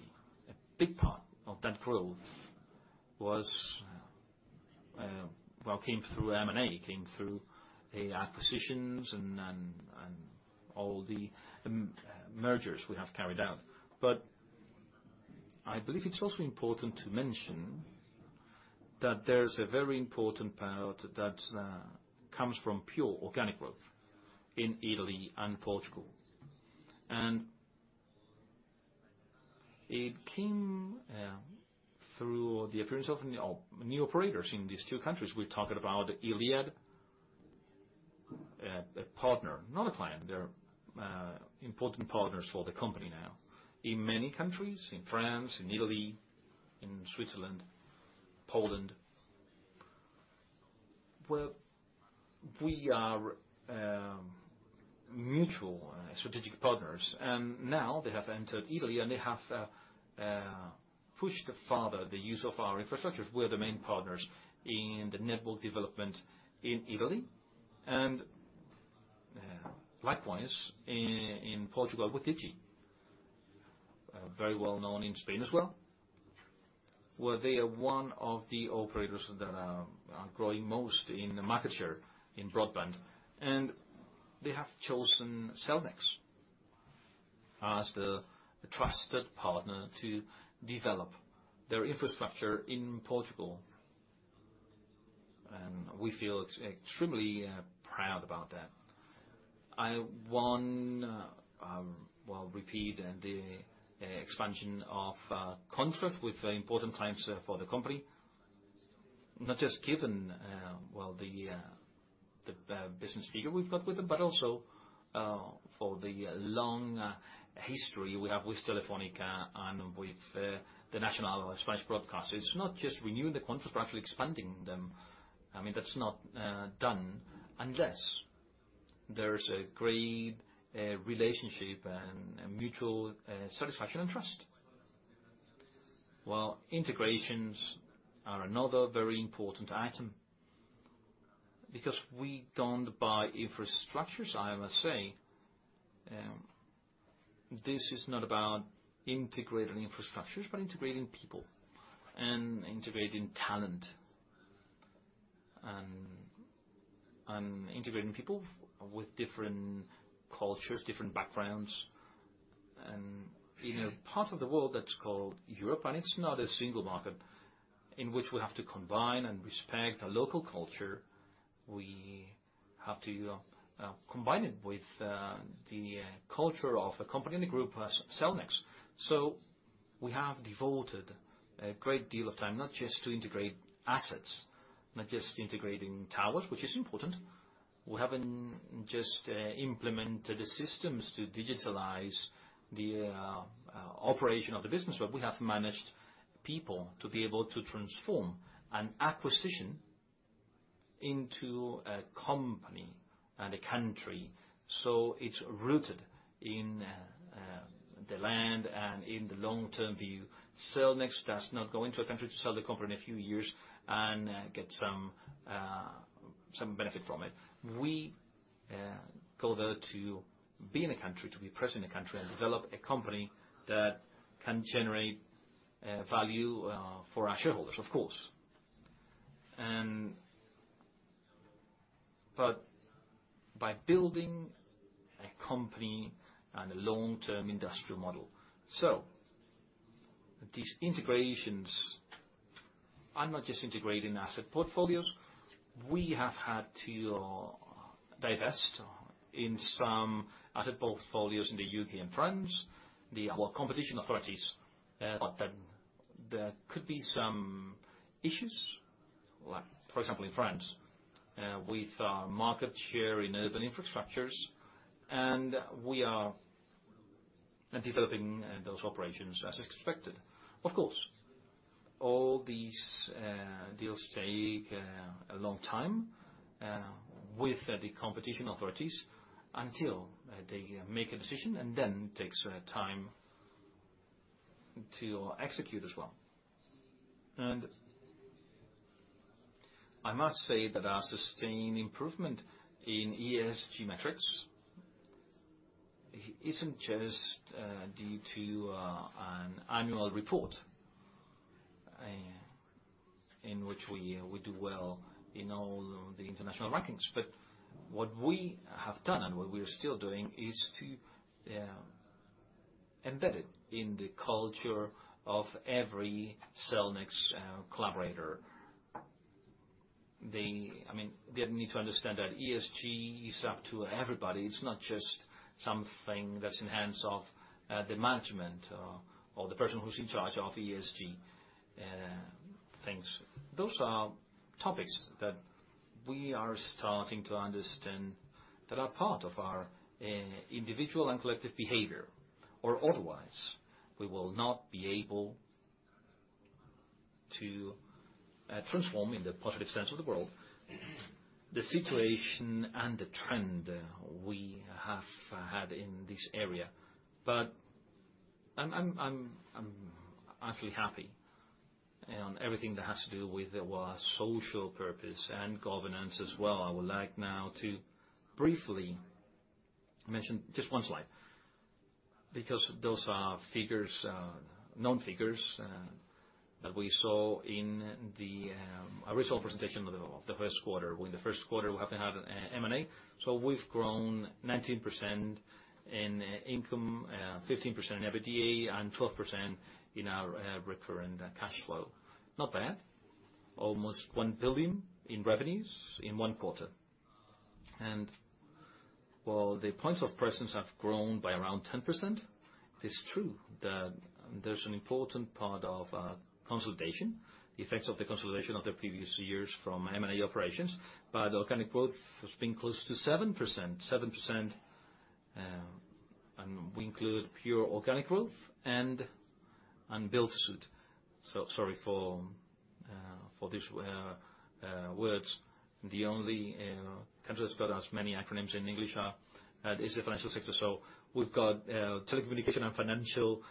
a big part of that growth was, well, came through M&A, acquisitions and all the mergers we have carried out. I believe it's also important to mention that there's a very important part that comes from pure organic growth in Italy and Portugal. It came through the appearance of new operators in these two countries. We're talking about Iliad, a partner, not a client. They're important partners for the company now. In many countries, in France, in Italy, in Switzerland, Poland, well, we are mutual strategic partners, and now they have entered Italy, and they have pushed farther the use of our infrastructures. We're the main partners in the network development in Italy, likewise, in Portugal with Digi, very well known in Spain as well, where they are one of the operators that are growing most in the market share in broadband. They have chosen Cellnex as the trusted partner to develop their infrastructure in Portugal. We feel extremely proud about that. I want, well, repeat the expansion of contracts with very important clients for the company, not just given, well, the business figure we've got with them, but also for the long history we have with Telefonica and with the national Spanish broadcaster. It's not just renewing the contracts, we're actually expanding them. I mean, that's not done unless there is a great relationship and a mutual satisfaction and trust. Integrations are another very important item because we don't buy infrastructures, I must say. This is not about integrating infrastructures, but integrating people and integrating talent, and integrating people with different cultures, different backgrounds, and in a part of the world that's called Europe, and it's not a single market in which we have to combine and respect the local culture, we have to combine it with the culture of the company and the group as Cellnex. We have devoted a great deal of time, not just to integrate assets, not just integrating towers, which is important. We haven't just implemented the systems to digitalize the operation of the business, but we have managed people to be able to transform an acquisition into a company and a country, so it's rooted in the land and in the long-term view. Cellnex does not go into a country to sell the company in a few years and get some benefit from it. We go there to be in a country, to be present in a country, and develop a company that can generate value for our shareholders, of course, and. By building a company and a long-term industrial model. These integrations are not just integrating asset portfolios. We have had to divest in some asset portfolios in the U.K. and France. Well, competition authorities thought that there could be some issues, like, for example, in France, with our market share in urban infrastructures. We are developing those operations as expected. Of course, all these deals take a long time with the competition authorities until they make a decision, and then it takes time to execute as well. I must say that our sustained improvement in ESG metrics isn't just due to an annual report in which we do well in all of the international rankings. What we have done, and what we are still doing, is to embed it in the culture of every Cellnex collaborator. I mean, they need to understand that ESG is up to everybody. It's not just something that's in the hands of the management or the person who's in charge of ESG things. Those are topics that we are starting to understand, that are part of our individual and collective behavior, or otherwise we will not be able to transform, in the positive sense of the world, the situation and the trend we have had in this area. I'm actually happy on everything that has to do with our social purpose and governance as well. I would like now to briefly mention just one slide, because those are figures, known figures, that we saw in the original presentation of the first quarter. In the first quarter, we happened to have an M&A, we've grown 19% in income, 15% in EBITDA, and 12% in our recurring cash flow. Not bad. Almost 1 billion in revenues in 1 quarter. While the points of presence have grown by around 10%, it's true that there's an important part of consolidation, effects of the consolidation of the previous years from M&A operations, organic growth has been close to 7%. 7%, we include pure organic growth and build-to-suit. Sorry for these words. The only country that's got as many acronyms in English are is the financial sector. We've got telecommunication and financial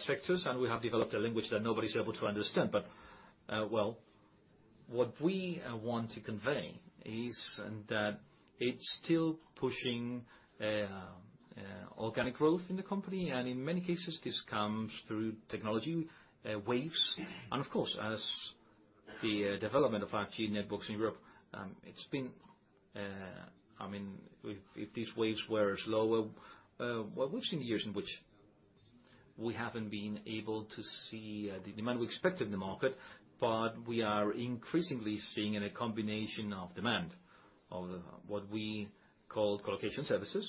sectors, we have developed a language that nobody's able to understand. Well, what we want to convey is that it's still pushing organic growth in the company, and in many cases, this comes through technology waves. Of course, as the development of 5G networks in Europe, it's been, I mean, if these waves were slower, well, we've seen years in which we haven't been able to see the demand we expected in the market, but we are increasingly seeing in a combination of demand, of what we call co-location services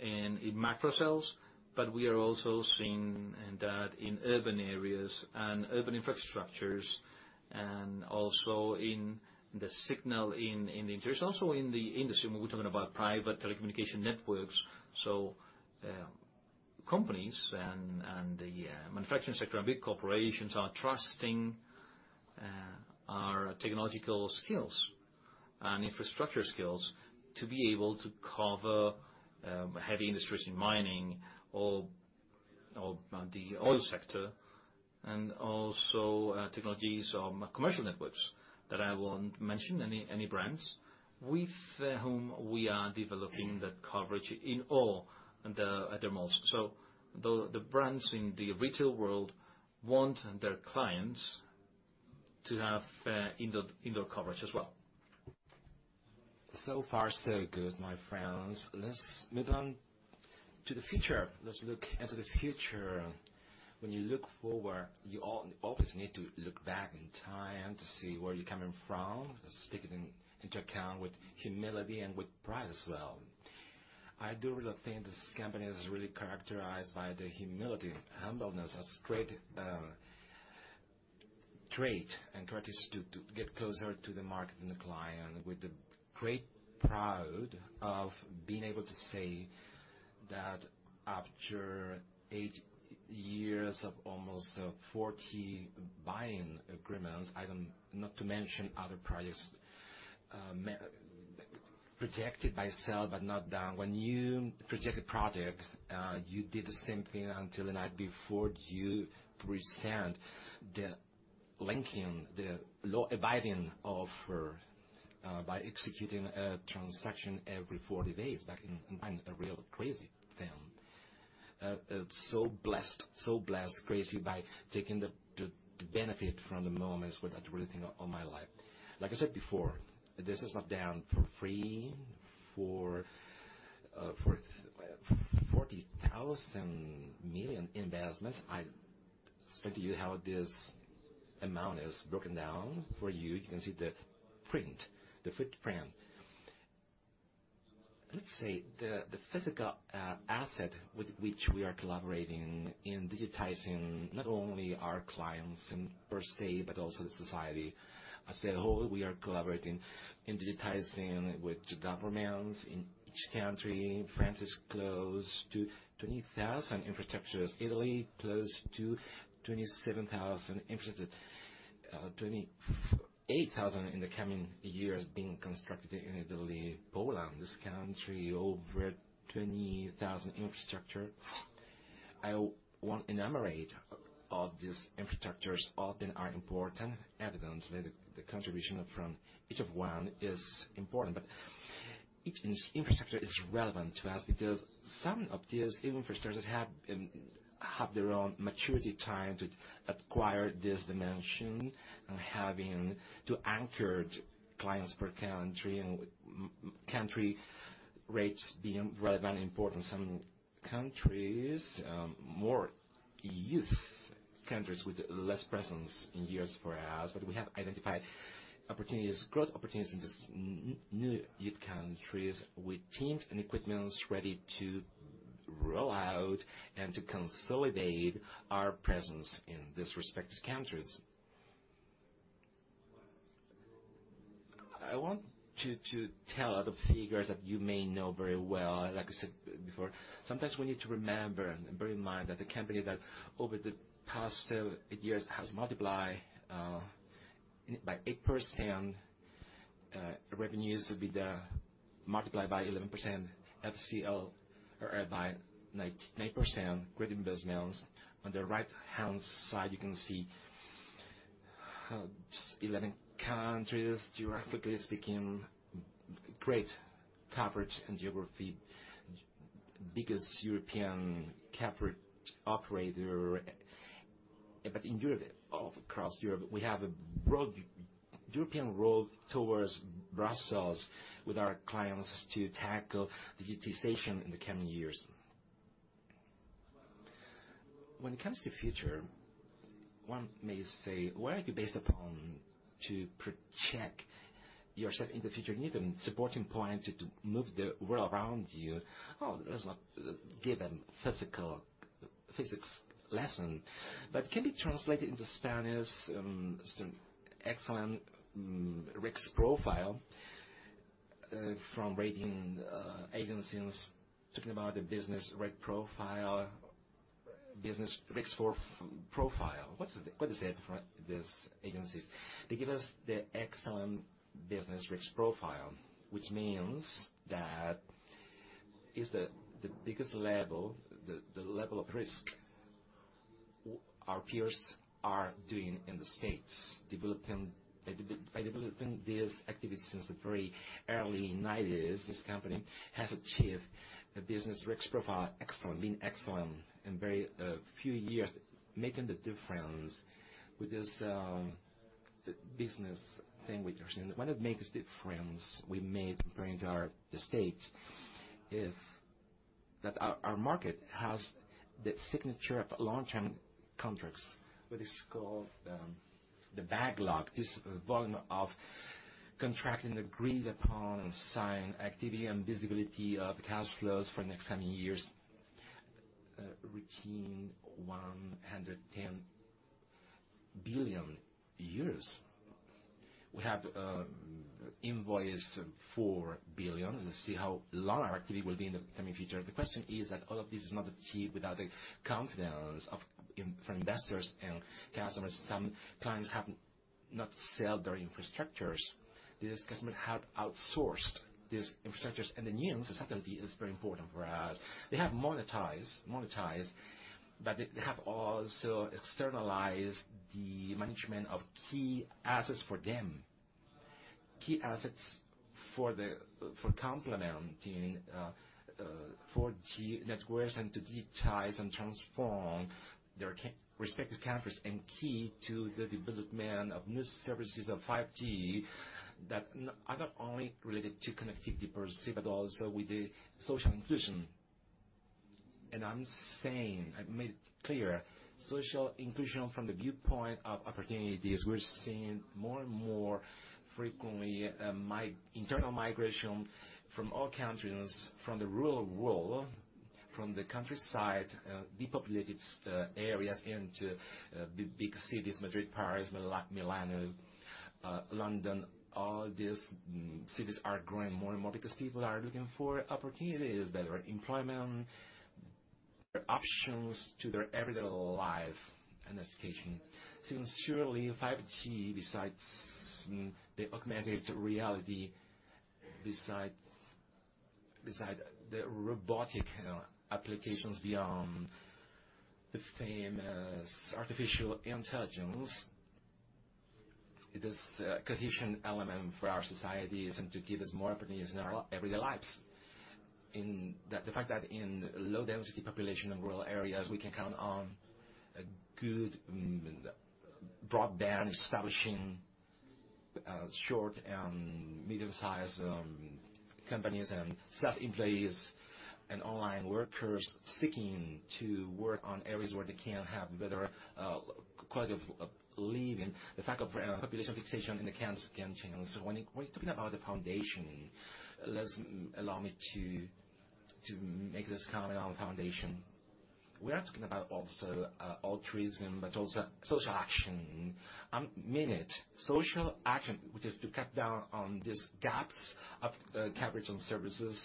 and in macro cells, but we are also seeing that in urban areas and urban infrastructures, and also in the signal, in the interest, also in the industry, when we're talking about private telecommunication networks. Companies and the manufacturing sector and big corporations are trusting our technological skills and infrastructure skills to be able to cover heavy industries in mining or the oil sector, and also, technologies on commercial networks, that I won't mention any brands, with whom we are developing the coverage in all and, at the most. The brands in the retail world want their clients to have indoor coverage as well. So far, so good, my friends. Let's move on to the future. Let's look into the future. When you look forward, you always need to look back in time to see where you're coming from, taking into account with humility and with pride as well. I do really think this company is really characterized by the humility, humbleness, as great trait. Trait is to get closer to the market and the client, with the great proud of being able to say that after eight years of almost 40 buying agreements. I don't. Not to mention other projects, projected by sale, but not done. When you project a project, you did the same thing until the night before you present the linking, the law abiding offer, by executing a transaction every 40 days back in. I'm a real crazy fan. So blessed, so blessed. Crazy by taking the benefit from the moments without really think all my life. Like I said before, this is not done for free. For, for 40,000 million investments, I explained to you how this amount is broken down for you. You can see the print, the footprint. Let's say, the physical asset with which we are collaborating in digitizing not only our clients per se, but also the society as a whole. We are collaborating in digitizing with the governments in each country. France is close to 20,000 infrastructures. Italy, close to 27,000 infrastructures.... 8,000 in the coming years, being constructed in Italy, Poland, this country, over 20,000 infrastructure. I won't enumerate all these infrastructures, all of them are important. Evidently, the contribution from each of one is important, but each infrastructure is relevant to us because some of these infrastructures have their own maturity time to acquire this dimension, and having to anchor clients per country, and country rates being relevant, important. Some countries, more youth countries with less presence in years for us, but we have identified opportunities, growth opportunities, in these new youth countries, with teams and equipments ready to roll out and to consolidate our presence in these respective countries. I want to tell other figures that you may know very well, like I said before, sometimes we need to remember and bear in mind that the company that over the past eight years has multiplied by 8% revenues, will be the multiplied by 11% FCL, or by 9% great investments. On the right-hand side, you can see 11 countries, geographically speaking, great coverage and geography, biggest European coverage operator. In Europe, all across Europe, we have a broad European road towards Brussels, with our clients to tackle digitization in the coming years. When it comes to future, one may say, where are you based upon to protect yourself in the future? You need a supporting point to move the world around you. Oh, let's not give a physics lesson, but can be translated into Spanish, excellent, risk profile from rating agencies, talking about the business risk profile, business risk profile. What is it? What is it for these agencies? They give us the excellent business risk profile, which means that is the biggest level, the level of risk our peers are doing in the States. By developing this activity since the very early 90s, this company has achieved a business risk profile, excellent, being excellent, in very few years, making the difference with this business thing we are seeing. What it makes difference we made during our States, is that our market has the signature of long-term contracts, what is called the backlog. This volume of contracting, agreed upon, and signed activity, and visibility of cash flows for next coming years, routine 110 billion years. We have invoiced 4 billion. Let's see how long our activity will be in the coming future. The question is that all of this is not achieved without the confidence of for investors and customers. Some clients have not sold their infrastructures. These customers have outsourced these infrastructures, the nuance is very important for us. They have monetized, they have also externalized the management of key assets for them. Key assets for complementing 4G networks and to digitize and transform their respective countries, key to the development of new services of 5G, that are not only related to connectivity per se, also with the social inclusion. I'm saying, I made it clear, social inclusion from the viewpoint of opportunities. We're seeing more and more frequently, internal migration from all countries, from the rural world, from the countryside, depopulated areas into big, big cities, Madrid, Paris, Milano, London. All these cities are growing more and more because people are looking for opportunities, better employment, options to their everyday life and education. Since surely, 5G, besides the augmented reality, besides the robotic applications, beyond the famous artificial intelligence, it is a cohesion element for our societies and to give us more opportunities in our everyday lives. In the fact that in low-density population and rural areas, we can count on a good broadband, establishing short, medium-sized companies, and self-employees, and online workers seeking to work on areas where they can have better quality of living. The fact of population fixation in the countries. When you, when you're talking about the foundation, allow me to make this comment on the foundation. We are talking about also altruism, but also social action. I mean, social action, which is to cut down on these gaps of coverage and services,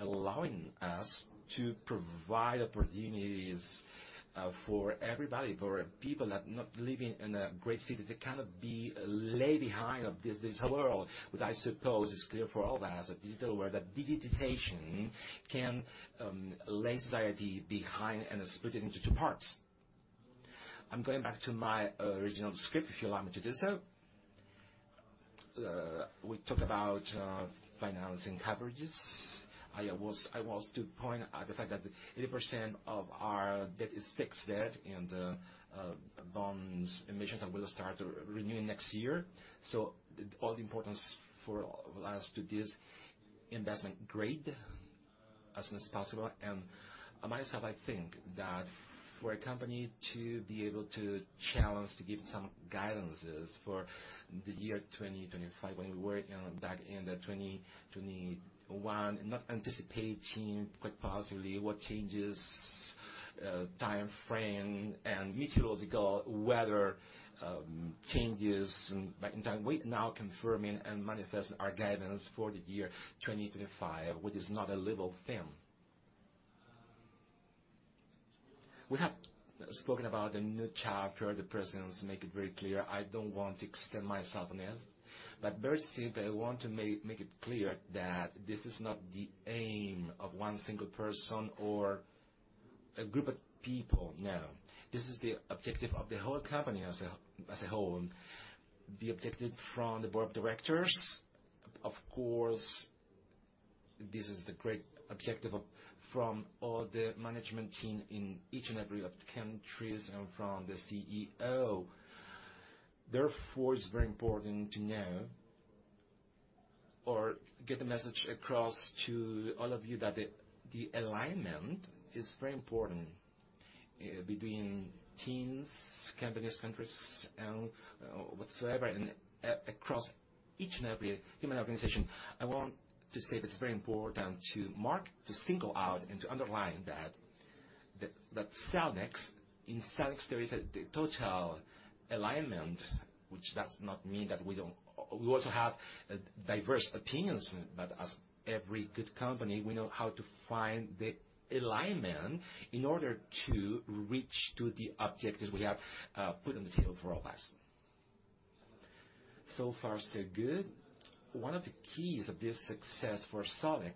allowing us to provide opportunities-... For everybody, for people that not living in a great city, they cannot be lay behind of this world, which I suppose is clear for all of us, that digital world, that digitization can lay society behind and split it into two parts. I'm going back to my original script, if you allow me to do so. We talk about financing coverages. I was to point out the fact that 80% of our debt is fixed debt, and bonds emissions are gonna start renewing next year. All the importance for us to this investment grade as soon as possible. I myself, I think that for a company to be able to challenge, to give some guidances for the year 2025, when we were, you know, back in the 2021, not anticipating quite positively what changes, time frame and meteorological weather, changes back in time. We're now confirming and manifest our guidance for the year 2025, which is not a little thing. We have spoken about a new chapter. The president make it very clear. I don't want to extend myself on this, but very simply, I want to make it clear that this is not the aim of one single person or a group of people. No. This is the objective of the whole company as a whole, the objective from the board of directors. Of course, this is the great objective of, from all the management team in each and every of the countries and from the CEO. It's very important to know or get the message across to all of you that the alignment is very important between teams, companies, countries, and whatsoever, and across each and every human organization. I want to say that it's very important to mark, to single out, and to underline that Cellnex, in Cellnex, there is a total alignment, which does not mean that we don't. We also have diverse opinions, but as every good company, we know how to find the alignment in order to reach to the objectives we have put on the table for all of us. Far, so good. One of the keys of this success for Cellnex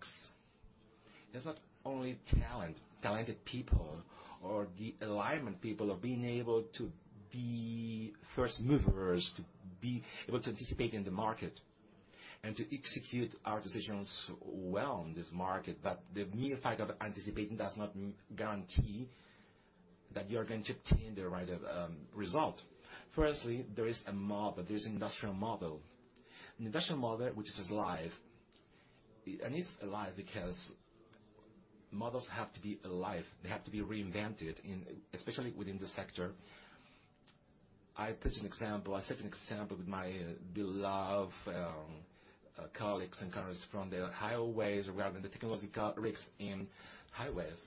is not only talent, talented people, or the alignment people, or being able to be first movers, to be able to anticipate in the market and to execute our decisions well in this market. The mere fact of anticipating does not guarantee that you are going to obtain the right result. Firstly, there is a model, there is industrial model. An industrial model which is alive, and it's alive because models have to be alive. They have to be reinvented in, especially within the sector. I put an example. I set an example with my beloved colleagues and colleagues from the highways regarding the technological risks in highways.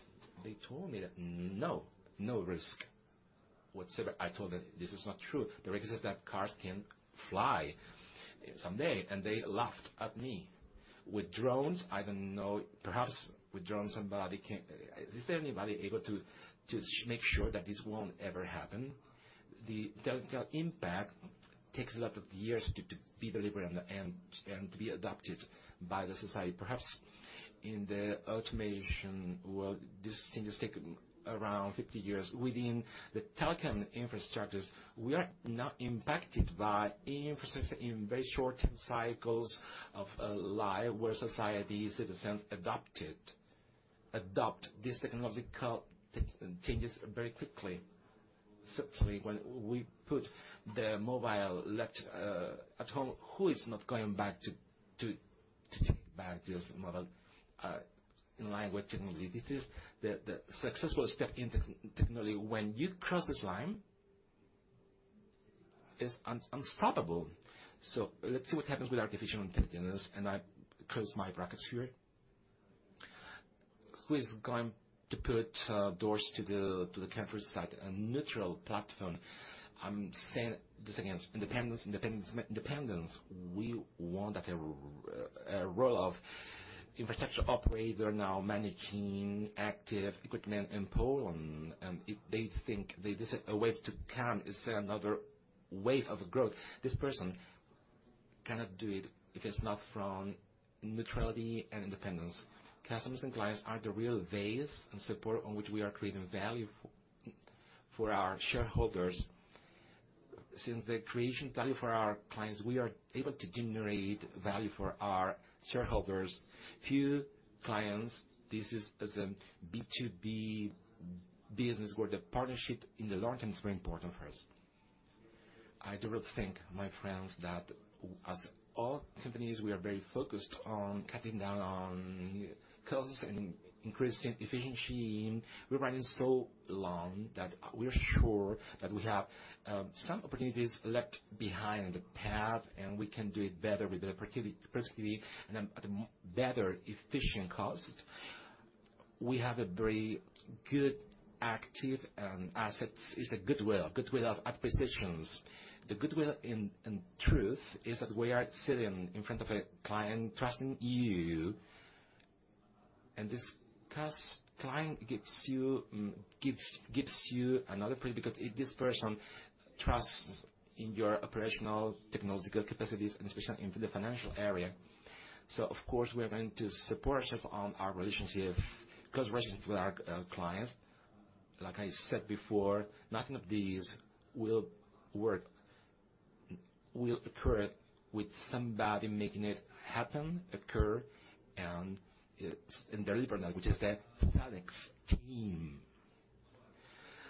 They told me that, "No, no risk whatsoever." I told them, "This is not true. The risk is that cars can fly someday," and they laughed at me. With drones, I don't know, perhaps with drones, somebody can. Is there anybody able to make sure that this won't ever happen? The technical impact takes a lot of years to be delivered and to be adopted by the society. Perhaps in the automation world, these things take around 50 years. Within the telecom infrastructures, we are not impacted by infrastructure in very short cycles of life, where society, citizens adopt it. Adopt these technological changes very quickly. Certainly, when we put the mobile left at home, who is not going back to take back this model in line with technology? This is the successful step in technology. When you cross this line, it's unstoppable. Let's see what happens with artificial intelligence, and I close my brackets here. Who is going to put doors to the campus site, a neutral platform? I'm saying this again, independence, independence. We want a role of infrastructure operator now managing active equipment in Poland, if they think this is a way to come, is another wave of growth. This person cannot do it if it's not from neutrality and independence. Customers and clients are the real base and support on which we are creating value for our shareholders. Since the creation value for our clients, we are able to generate value for our shareholders. Few clients, this is as a B2B business where the partnership in the long term is very important for us. I do not think, my friends, that as all companies, we are very focused on cutting down on costs and increasing efficiency. We're running so long that we're sure that we have some opportunities left behind the path, and we can do it better with the productivity, and at a better efficient cost. We have a very good active assets. It's a goodwill of acquisitions. The goodwill, in truth, is that we are sitting in front of a client trusting you. This trust client gives you another point, because if this person trusts in your operational technological capacities, and especially in the financial area. Of course, we are going to support us on our relationship, close relationship with our clients. Like I said before, nothing of these will work, will occur with somebody making it happen, occur, and it's, and deliver that, which is the Cellnex team.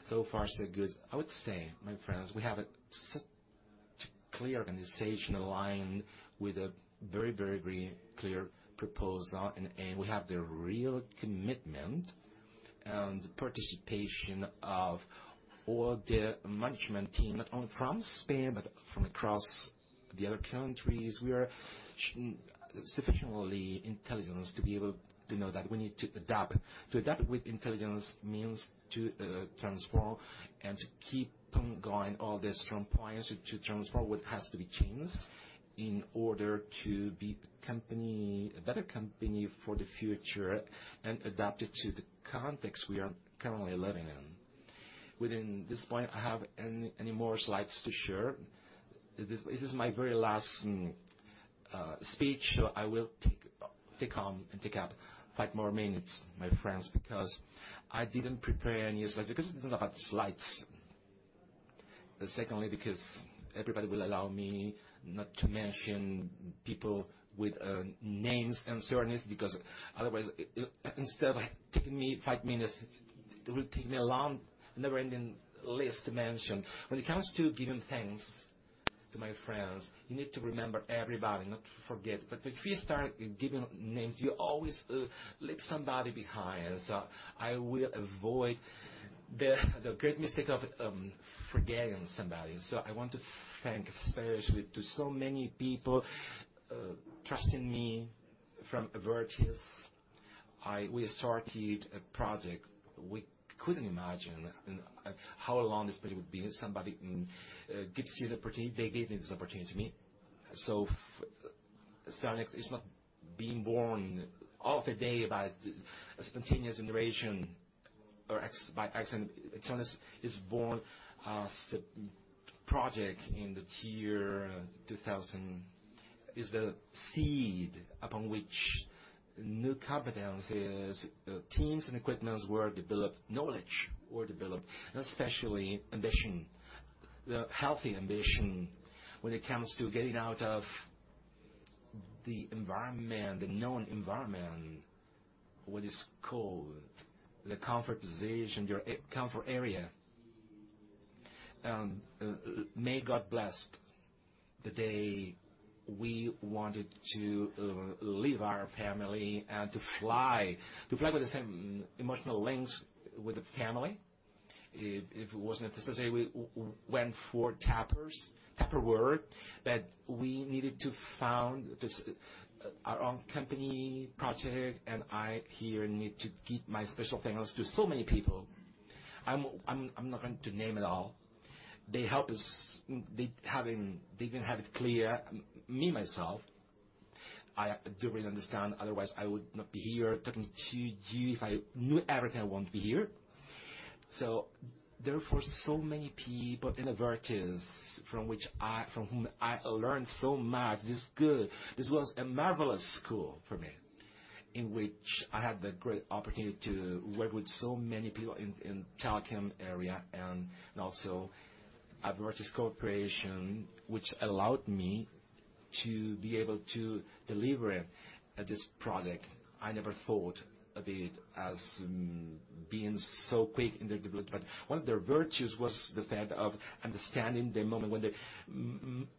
So far, so good. I would say, my friends, we have a clear organization aligned with a very, very clear proposal, and we have the real commitment and participation of all the management team, not only from Spain, but from across the other countries. We are sufficiently intelligent to be able to know that we need to adapt. To adapt with intelligence means to transform and to keep on going all this from clients, to transform what has to be changed in order to be a company, a better company for the future and adapt it to the context we are currently living in. Within this point, I have any more slides to share. This is my very last speech, I will take on and take up five more minutes, my friends, because I didn't prepare any slides. I didn't have slides, and secondly, because everybody will allow me not to mention people with names and surnames, because otherwise, instead of taking me five minutes, it will take me a long, never-ending list to mention. When it comes to giving thanks to my friends, you need to remember everybody, not to forget. If you start giving names, you always leave somebody behind. I will avoid the great mistake of forgetting somebody. I want to thank, especially, to so many people trusting me from Virtus. We started a project. We couldn't imagine how long this project would be. Somebody gives you the opportunity. They gave me this opportunity to me. Cellnex is not being born of the day by a spontaneous generation or by accident. Cellnex is born as a project in the year 2000, is the seed upon which new competencies, teams, and equipments were developed, knowledge were developed, and especially ambition. The healthy ambition when it comes to getting out of the environment, the known environment, what is called the comfort position, your comfort area. May God bless the day we wanted to leave our family and to fly, to fly with the same emotional links with the family. If, if it wasn't necessary, we went for tappers, tapper work, that we needed to found this, our own company, project, and I here need to give my special thanks to so many people. I'm not going to name it all. They helped us, they didn't have it clear, me, myself, I do really understand, otherwise, I would not be here talking to you. If I knew everything, I won't be here. Therefore, so many people in the Virtus, from whom I learned so much. This is good. This was a marvelous school for me, in which I had the great opportunity to work with so many people in telecom area and also at Virtus Corporation, which allowed me to be able to deliver this product. I never thought of it as being so quick in the development, one of their virtues was the fact of understanding the moment when the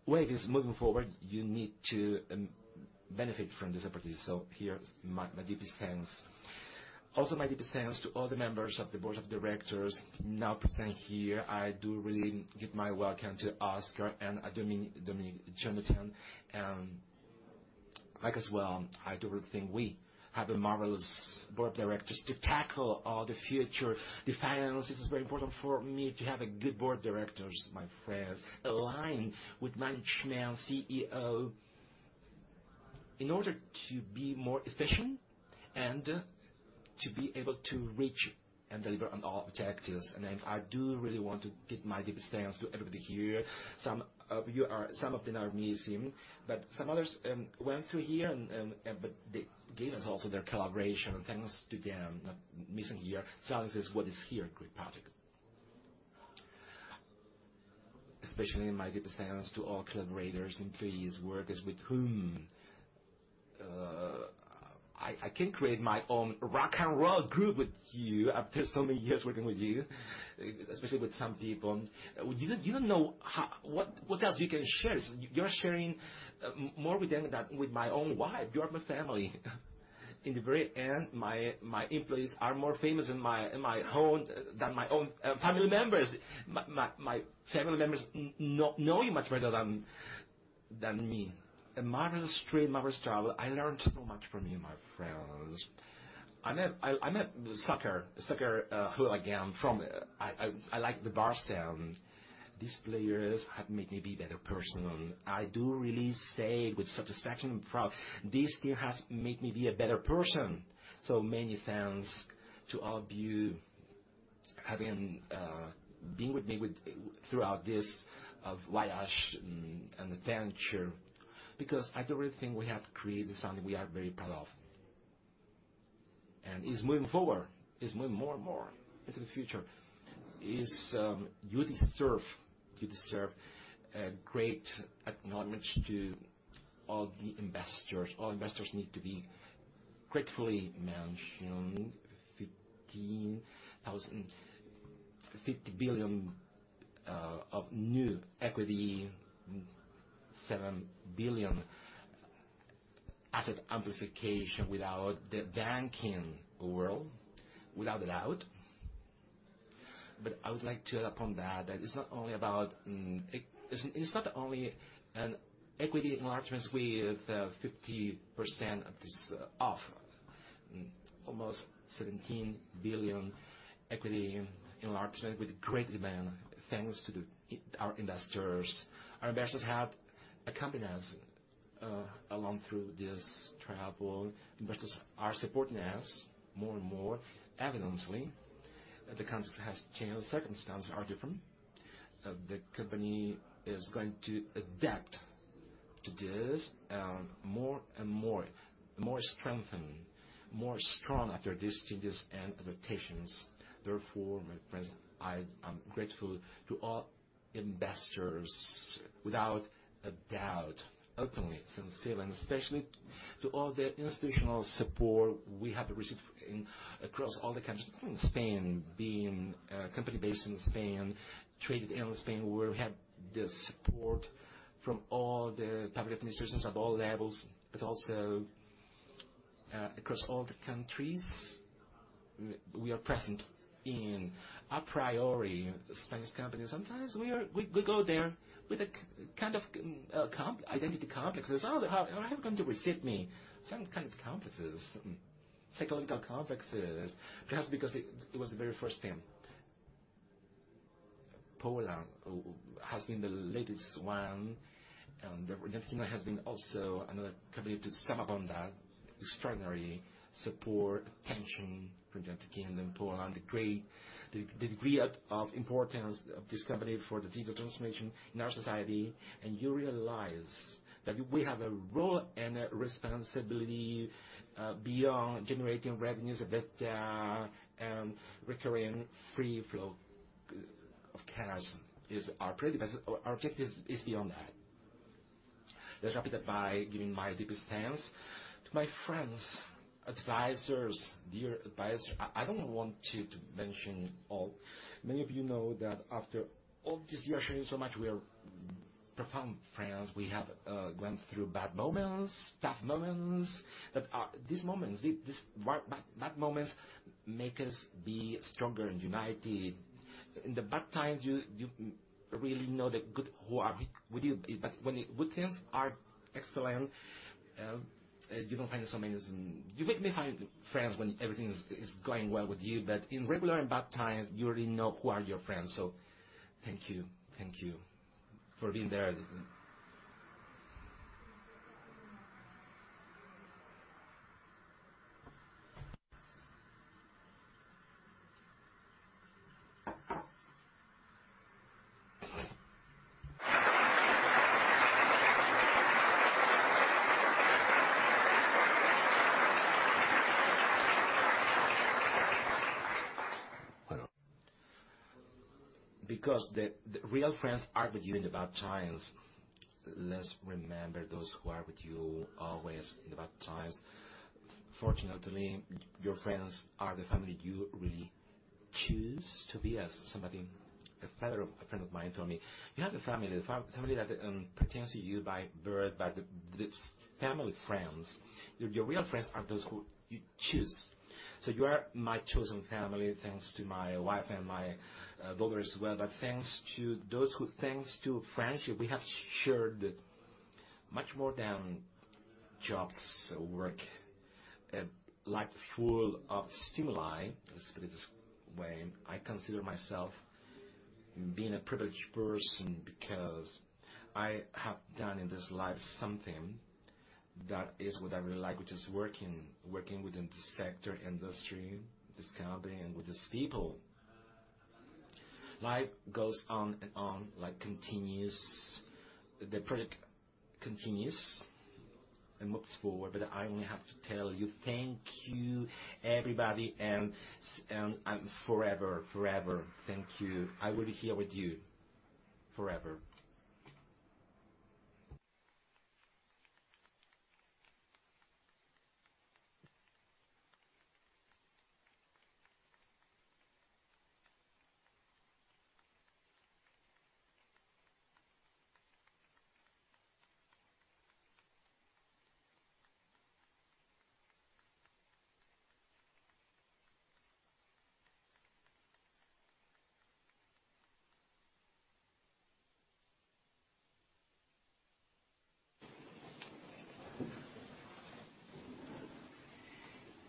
wave is moving forward, you need to benefit from this opportunity. Here, my deepest thanks. My deepest thanks to all the members of the Board of Directors now present here. I do really give my welcome to Óscar and Dominique D'Hinnin Jonathan Amouyal, and like as well, I do really think we have a marvelous Board of Directors to tackle all the future. The finances is very important for me to have a good Board of Directors, my friends, aligned with management CEO, in order to be more efficient and to be able to reach and deliver on all objectives. I do really want to give my deepest thanks to everybody here. Some of them are missing, but some others went through here and, but they gave us also their collaboration. Thanks to them, not missing here. Cellnex is what is here, great project. Especially, my deepest thanks to all collaborators, employees, workers, with whom I can create my own rock and roll group with you after so many years working with you, especially with some people. You don't know how. What else you can share. You're sharing more with them than with my own wife. You are my family. In the very end, my employees are more famous in my home than my own family members. My family members know you much better than me. A marvelous trip, marvelous travel. I learned so much from you, my friends. I met the soccer hooligan from. I like the bar stand. These players have made me be a better person. I do really say with satisfaction and proud, this team has made me be a better person. Many thanks to all of you, having been with me throughout this voyage and adventure, because I do really think we have created something we are very proud of. It's moving forward. It's moving more and more into the future. It's, you deserve great acknowledgment to all the investors. All investors need to be gratefully mentioned. 50 billion of new equity, 7 billion asset amplification without the banking world, without a doubt. I would like to add upon that it's not only about. It's not only an equity enlargements with 50% of this off. Almost 17 billion equity enlargement with great demand, thanks to our investors. Our investors have accompanied us along through this travel. Investors are supporting us more and more evidently, that the context has changed, the circumstances are different. The company is going to adapt to this, and more and more strengthened, more strong after these changes and adaptations. Therefore, my friends, I am grateful to all investors, without a doubt, openly, sincere, and especially to all the institutional support we have received in, across all the countries, including Spain, being a company based in Spain, traded in Spain, where we have the support from all the public administrations at all levels, but also, across all the countries we are present in. A priori, Spanish companies, sometimes we are, we go there with a kind of identity complexes. How are you going to receive me? Some kind of complexes, psychological complexes, perhaps because it was the very first time. Poland has been the latest one, the United Kingdom has been also another country to sum up on that. Extraordinary support, attention for the United Kingdom, Poland, the degree of importance of this company for the digital transformation in our society, and you realize that we have a role and a responsibility beyond generating revenues, EBITDA, and recurring free flow of cash is our priority, but our objective is beyond that. Let's wrap it up by giving my deepest thanks to my friends, advisors, dear advisors. I don't want to mention all. Many of you know that after all this, we are sharing so much, we are profound friends. We have gone through bad moments, tough moments, that are these moments, these bad moments make us be stronger and united. In the bad times, you really know the good, who are with you, but when the good things are excellent, you don't find so many. You may find friends when everything is going well with you, but in regular and bad times, you really know who are your friends. Thank you. Thank you for being there. The real friends are with you in the bad times. Let's remember those who are with you always in the bad times. Fortunately, your friends are the family you really choose to be as somebody. A father of a friend of mine told me, "You have the family, the family that pertains to you by birth, by the family friends. Your real friends are those who you choose." You are my chosen family, thanks to my wife and my brother as well. Thanks to those who, thanks to friendship, we have shared much more than jobs or work. A life full of stimuli, let's put it this way. I consider myself being a privileged person because I have done in this life something that is what I really like, which is working within this sector, industry, this company, and with these people. Life goes on and on. Life continues. The product continues and moves forward. I only have to tell you thank you, everybody, and forever. Thank you. I will be here with you forever. ...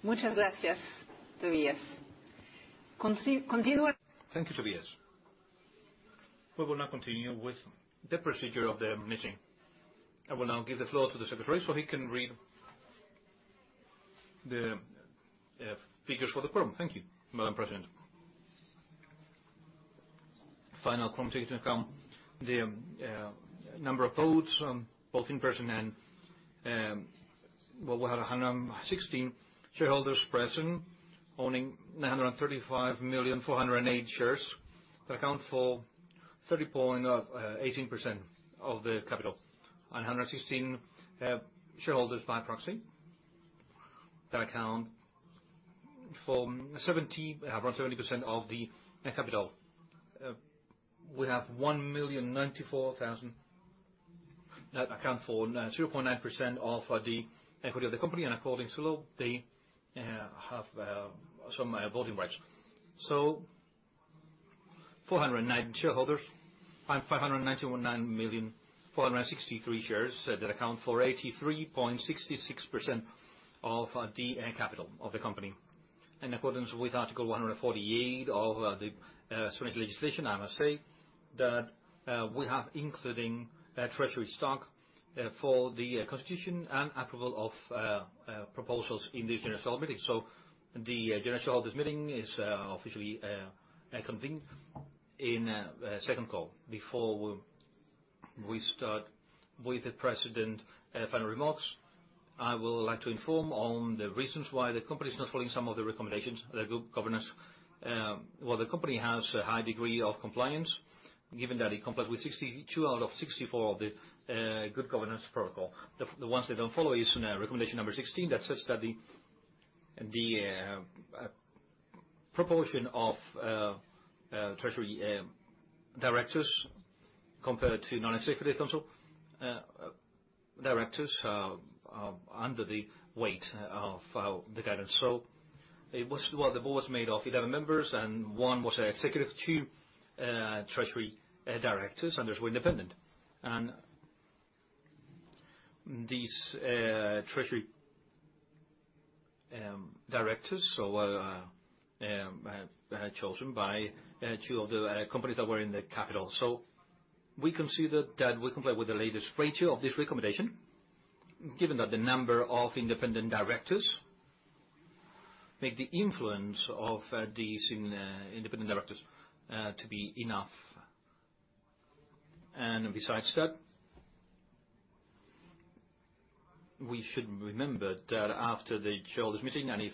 Muchas gracias, Tobias. continue. Thank you, Tobias. We will now continue with the procedure of the meeting. I will now give the floor to the secretary, so he can read the figures for the quorum.
Thank you, Madam President. Final participation count, the number of votes, both in person and, well, we had 116 shareholders present, owning 935 million, 408 shares, that account for 30.18% of the capital, and 116 shareholders by proxy, that account for 70 around 70% of the capital. We have 1 million, 94,000, that account for 0.9% of the equity of the company, and according to law, they have some voting rights. 409 shareholders, and 591 9 million, 463 shares, that account for 83.66% of the capital of the company. In accordance with Article 148 of the Spanish legislation, I must say that we have, including treasury stock, for the constitution and approval of proposals in this shareholders meeting. The shareholders meeting is officially convened in second call. Before we start with the president final remarks, I would like to inform on the reasons why the company is not following some of the recommendations, the good governance. Well, the company has a high degree of compliance, given that it complies with 62 out of 64 of the good governance protocol. The ones they don't follow is in recommendation number 16, that says that the proportion of treasury directors, compared to non-executive council directors, are under the weight of the guidance. The board is made of 11 members, and one was our executive chief, treasury directors, and there's one independent. These treasury directors have chosen by two of the companies that were in the capital. We consider that we comply with the latest ratio of this recommendation, given that the number of independent directors make the influence of these independent directors to be enough. Besides that, we should remember that after the shareholders meeting, and if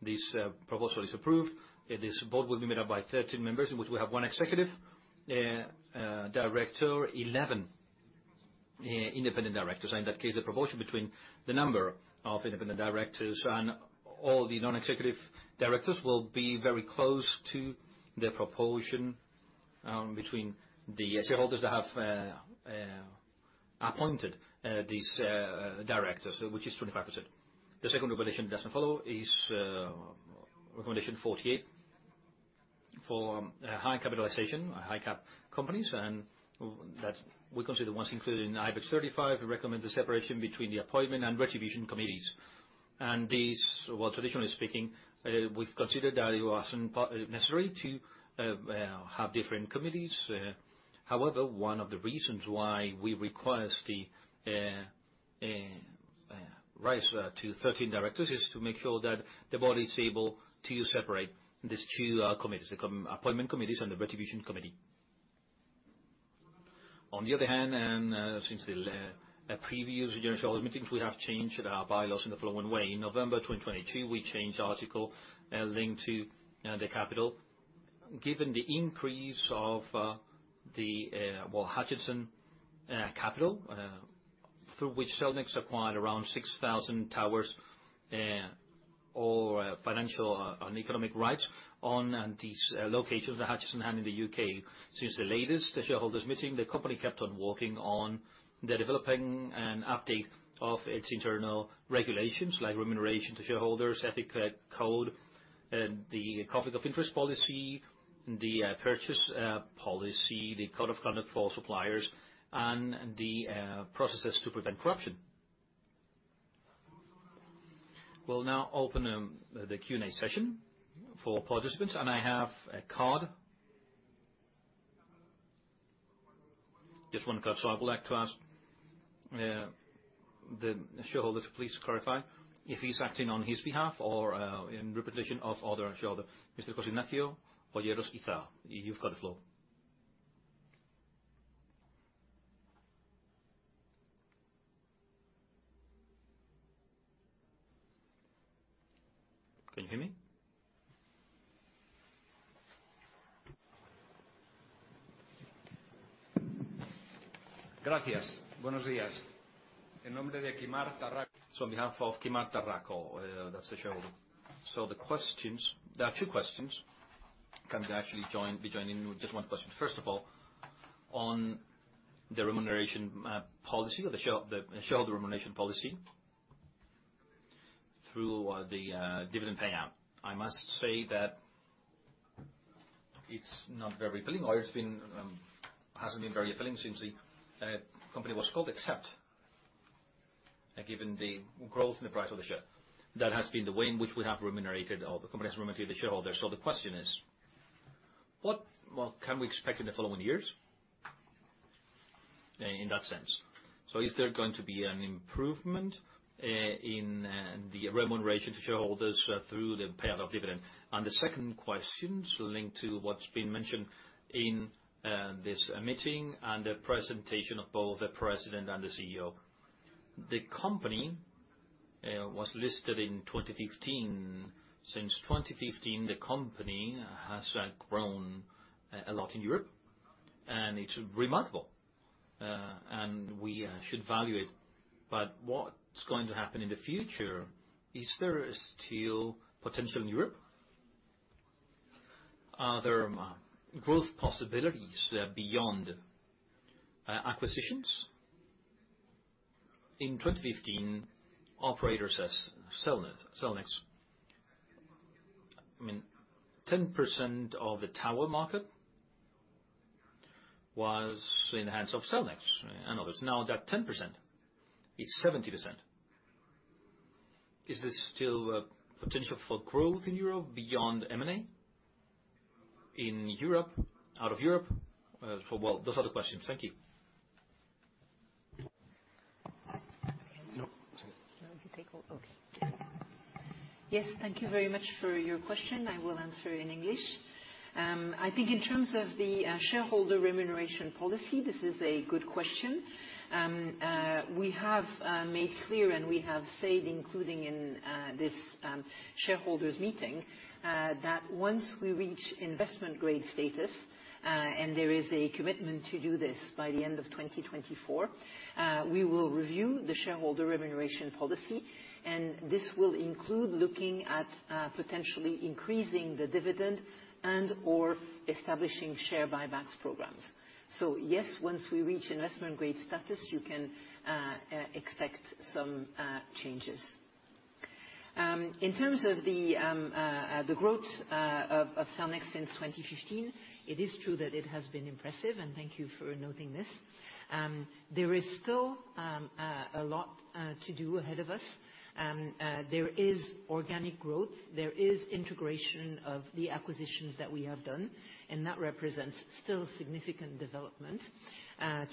this proposal is approved, this board will be made up by 13 members, in which we have one executive director, 11 independent directors. In that case, the proportion between the number of independent directors and all the non-executive directors will be very close to the proportion between the shareholders that have appointed these directors, which is 25%. The second recommendation it doesn't follow is recommendation 48 for high capitalization, high cap companies, and that we consider the ones included in IBEX 35. We recommend the separation between the appointment and retribution committees. These, well, traditionally speaking, we've considered that it wasn't necessary to have different committees. However, one of the reasons why we request the rise to 13 directors is to make sure that the board is able to separate these two committees, the appointment committees and the retribution committee. On the other hand, since the previous shareholders meetings, we have changed our bylaws in the following way. In November 2022, we changed article linked to the capital. Given the increase of the well, Hutchison capital, through which Cellnex acquired around 6,000 towers, or financial and economic rights on these locations that Hutchison had in the U.K. Since the latest shareholders meeting, the company kept on working on the developing an update of its internal regulations, like remuneration to shareholders, ethical code, the conflict of interest policy, the purchase policy, the code of conduct for suppliers, and the processes to prevent corruption. We'll now open the Q&A session for participants. I have a card. Just one card, so I would like to ask the shareholder to please clarify if he's acting on his behalf or in repetition of other shareholder. Mr. Cosimato Boyeros Ita, you've got the floor.
Can you hear me? Gracias. Buenos días. En nombre de Quimar Tarraco. On behalf of Quimar Tarraco, that's the shareholder. The questions, there are two questions, can actually be joining with just one question. First of all, on the remuneration policy, the shareholder remuneration policy through the dividend payout. I must say that it's not very appealing, or it's been, hasn't been very appealing since the company was caught, except, given the growth in the price of the share. That has been the way in which we have remunerated, or the company has remunerated the shareholders. The question is, what, well, can we expect in the following years in that sense? Is there going to be an improvement in the remuneration to shareholders through the payout of dividend? The second question is linked to what's been mentioned in this meeting and the presentation of both the president and the CEO. The company was listed in 2015. Since 2015, the company has grown a lot in Europe, and it's remarkable, and we should value it. What's going to happen in the future? Is there still potential in Europe? Are there growth possibilities beyond acquisitions? In 2015, operators as Cellnex. I mean, 10% of the tower market was in the hands of Cellnex and others. Now, that 10% is 70%. Is there still potential for growth in Europe beyond M&A? In Europe, out of Europe. Those are the questions. Thank you.
No, you can take over. Okay. Yes, thank you very much for your question. I will answer in English. I think in terms of the shareholder remuneration policy, this is a good question. We have made clear and we have said, including in this shareholders' meeting, that once we reach investment grade status, and there is a commitment to do this by the end of 2024, we will review the shareholder remuneration policy, and this will include looking at potentially increasing the dividend and/or establishing share buybacks programs. Yes, once we reach investment grade status, you can expect some changes. In terms of the growth of Cellnex since 2015, it is true that it has been impressive, and thank you for noting this. There is still a lot to do ahead of us. There is organic growth, there is integration of the acquisitions that we have done, and that represents still significant development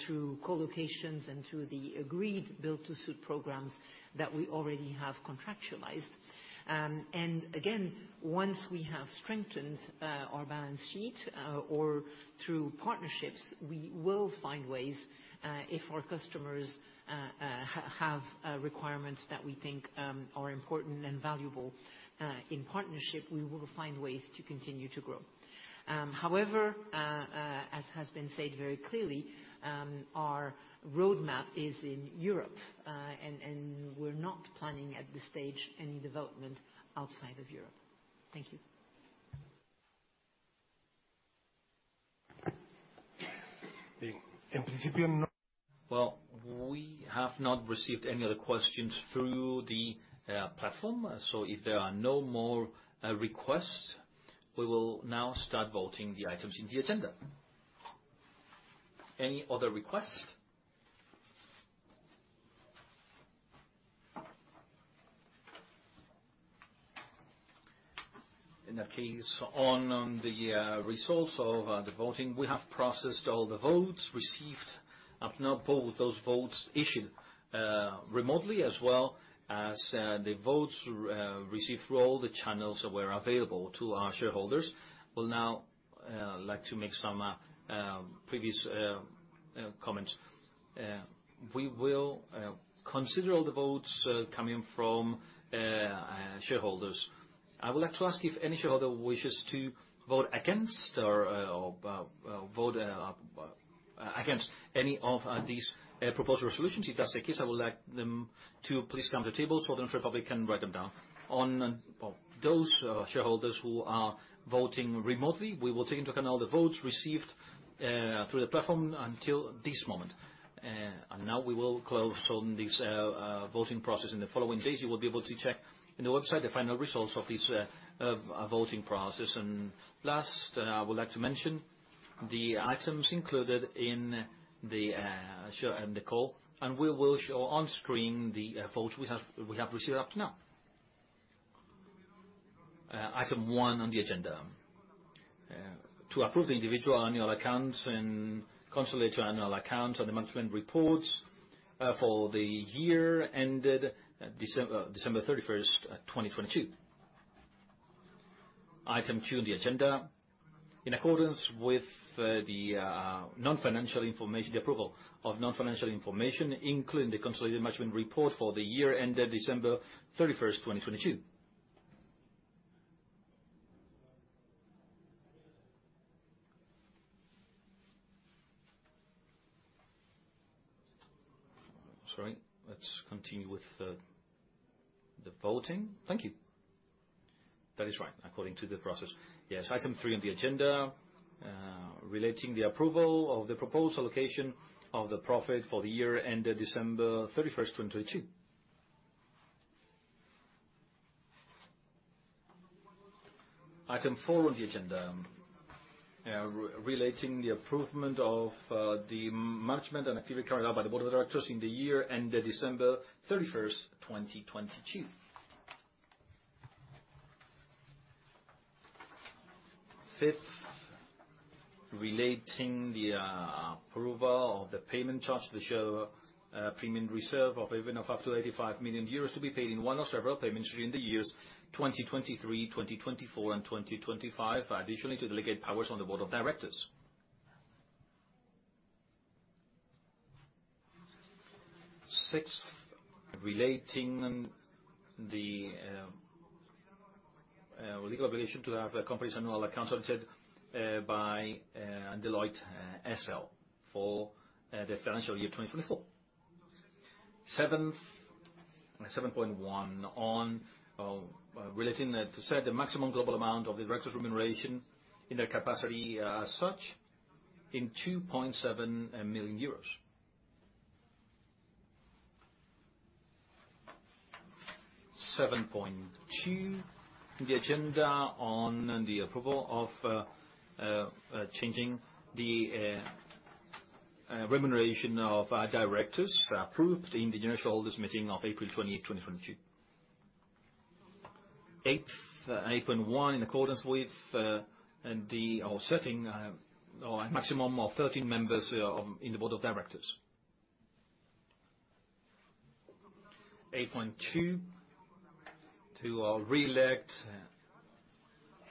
through co-locations and through the agreed build-to-suit programs that we already have contractualized. Again, once we have strengthened our balance sheet or through partnerships, we will find ways, if our customers have requirements that we think are important and valuable, in partnership, we will find ways to continue to grow. As has been said very clearly, our roadmap is in Europe, and we're not planning at this stage any development outside of Europe. Thank you.
Well, we have not received any other questions through the platform. If there are no more requests, we will now start voting the items in the agenda. Any other requests? In that case, on the results of the voting, we have processed all the votes received up now, both those votes issued remotely as well as the votes received through all the channels that were available to our shareholders. We'll now like to make some previous comments. We will consider all the votes coming from shareholders. I would like to ask if any shareholder wishes to vote against or vote against any of these proposed resolutions. If that's the case, I would like them to please come to the table so the notary public can write them down. On those shareholders who are voting remotely, we will take into account all the votes received through the platform until this moment. Now we will close on this voting process. In the following days, you will be able to check in the website the final results of this voting process. Last, I would like to mention the items included in the share, the call, and we will show on screen the votes we have received up now. Item one on the agenda: to approve the individual annual accounts and consolidated annual accounts and the management reports for the year ended December 31st, 2022. Item 2 on the agenda: in accordance with the non-financial information, the approval of non-financial information, including the consolidated management report for the year ended December 31, 2022. Sorry, let's continue with the voting. Thank you. That is right, according to the process. Item 3 on the agenda, relating the approval of the proposed allocation of the profit for the year ended December 31, 2022. Item 4 on the agenda, relating the approval of the management and activity carried out by the board of directors in the year ended December 31, 2022. Fifth, relating the approval of the payment charged to show premium reserve of up to 85 million euros, to be paid in one or several payments during the years 2023, 2024, and 2025, additionally, to delegate powers on the Board of Directors. Sixth, relating the legal obligation to have the company's annual accounts audited by Deloitte, S.L. for the financial year 2024. Seventh, 7.1, on relating that to set the maximum global amount of the directors' remuneration in their capacity as such, in EUR 2.7 million. 7.2, the agenda on the approval of changing the remuneration of our directors, approved in the general shareholders' meeting of April 28th, 2022. Eighth, 8.1, in accordance with the. setting, or a maximum of 13 members in the board of directors. 8.2, to re-elect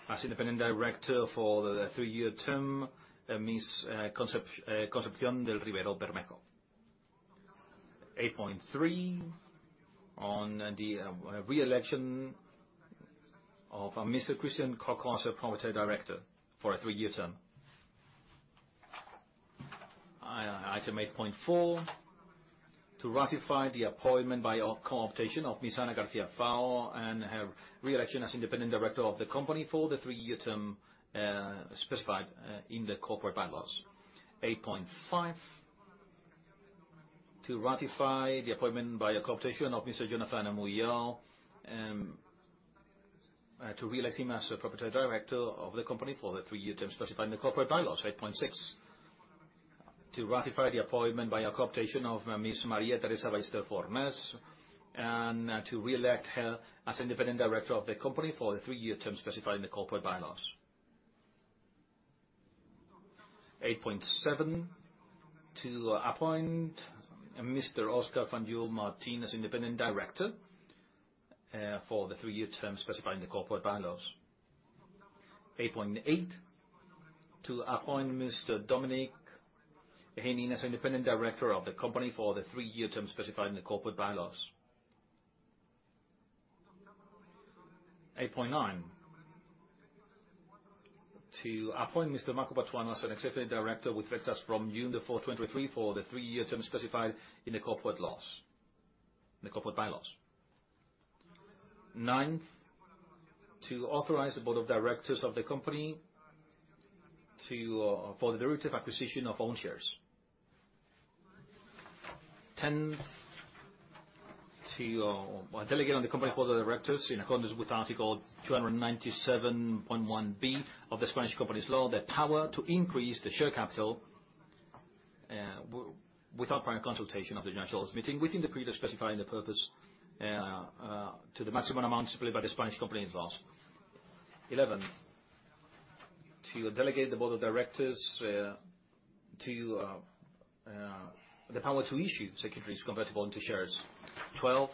as independent director for the three-year term, Ms. Concepción del Rivero Bermejo. 8.3, on the re-election of Mr. Christian Coco as a proprietary director for a three-year term. Item 8.4, to ratify the appointment by co-optation of Ms. Ana García Fau, and her re-election as independent director of the company for the three-year term specified in the corporate bylaws. 8.5, to ratify the appointment by co-optation of Mr. Jonathan Amouyal, to re-elect him as a proprietary director of the company for the three-year term specified in the corporate bylaws. 8.6, to ratify the appointment by co-optation of Ms. María Teresa Ballester Fornés, to re-elect her as independent director of the company for the 3-year term specified in the corporate bylaws. 8.7, to appoint Mr. Óscar Fanjul Martínez, independent director, for the 3-year term specified in the corporate bylaws. 8.8, to appoint Mr. Dominique D'Hinnin as independent director of the company for the 3-year term specified in the corporate bylaws. 8.9, to appoint Mr. Marco Patuano as an executive director with effects from June 4, 2023, for the 3-year term specified in the corporate bylaws. 9th, to authorize the board of directors of the company to for the derivative acquisition of own shares. Tenth, to delegate on the company board of directors, in accordance with Article 297.1 B of the Spanish Companies Law, the power to increase the share capital without prior consultation of the shareholders' meeting, within the period specified in the purpose to the maximum amount specified by the Spanish company bylaws. 11, to delegate the board of directors the power to issue securities convertible into shares. 12,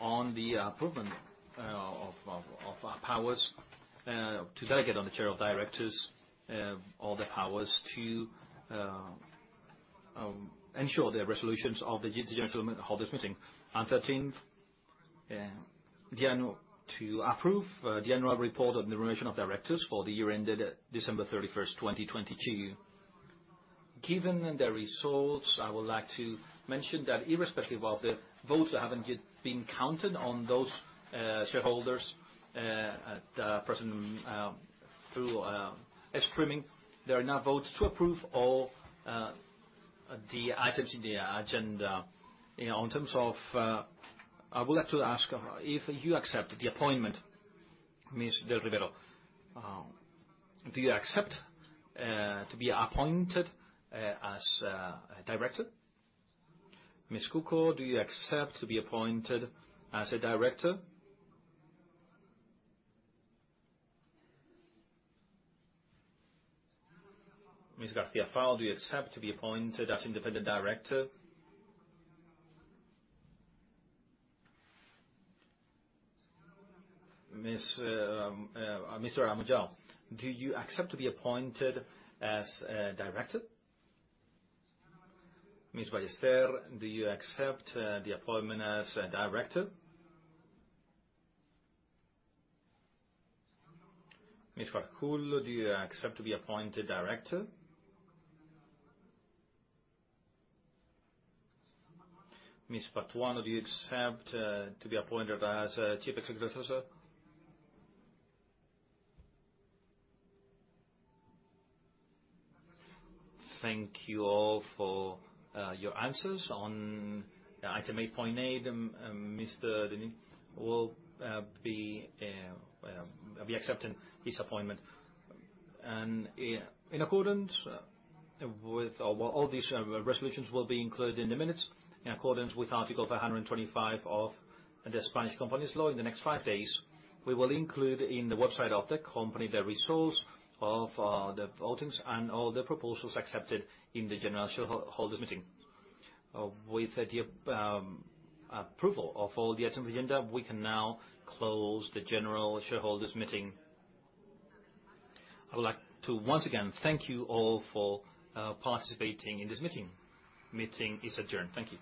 on the approval of powers to delegate on the chair of directors all the powers to ensure the resolutions of the general shareholders' meeting. 13th, to approve general report on the remission of directors for the year ended December 31st, 2022. Given the results, I would like to mention that irrespective of the votes that haven't yet been counted on those shareholders, at present, through streaming, there are enough votes to approve all the items in the agenda. You know, in terms of... I would like to ask if you accept the appointment, Ms. Del Rivero, do you accept to be appointed as a director? Mr. Coco, do you accept to be appointed as a director? Ms. García Fau, do you accept to be appointed as Independent Director? Mr. Amouyal, do you accept to be appointed as a director? Ms. Ballester, do you accept the appointment as a director? Mr. Fanjul, do you accept to be appointed director? Mr. Patuano, do you accept to be appointed as Chief Executive Officer? Thank you all for your answers. On item 8.8, Mr. Dominique D'Hinnin will be accepting his appointment. In accordance with, well, all these resolutions will be included in the minutes, in accordance with Article 525 of the Spanish Companies Law. In the next 5 days, we will include in the website of the company, the results of the votings and all the proposals accepted in the general shareholders meeting. With the approval of all the items in the agenda, we can now close the general shareholders meeting. I would like to once again thank you all for participating in this meeting. Meeting is adjourned. Thank you.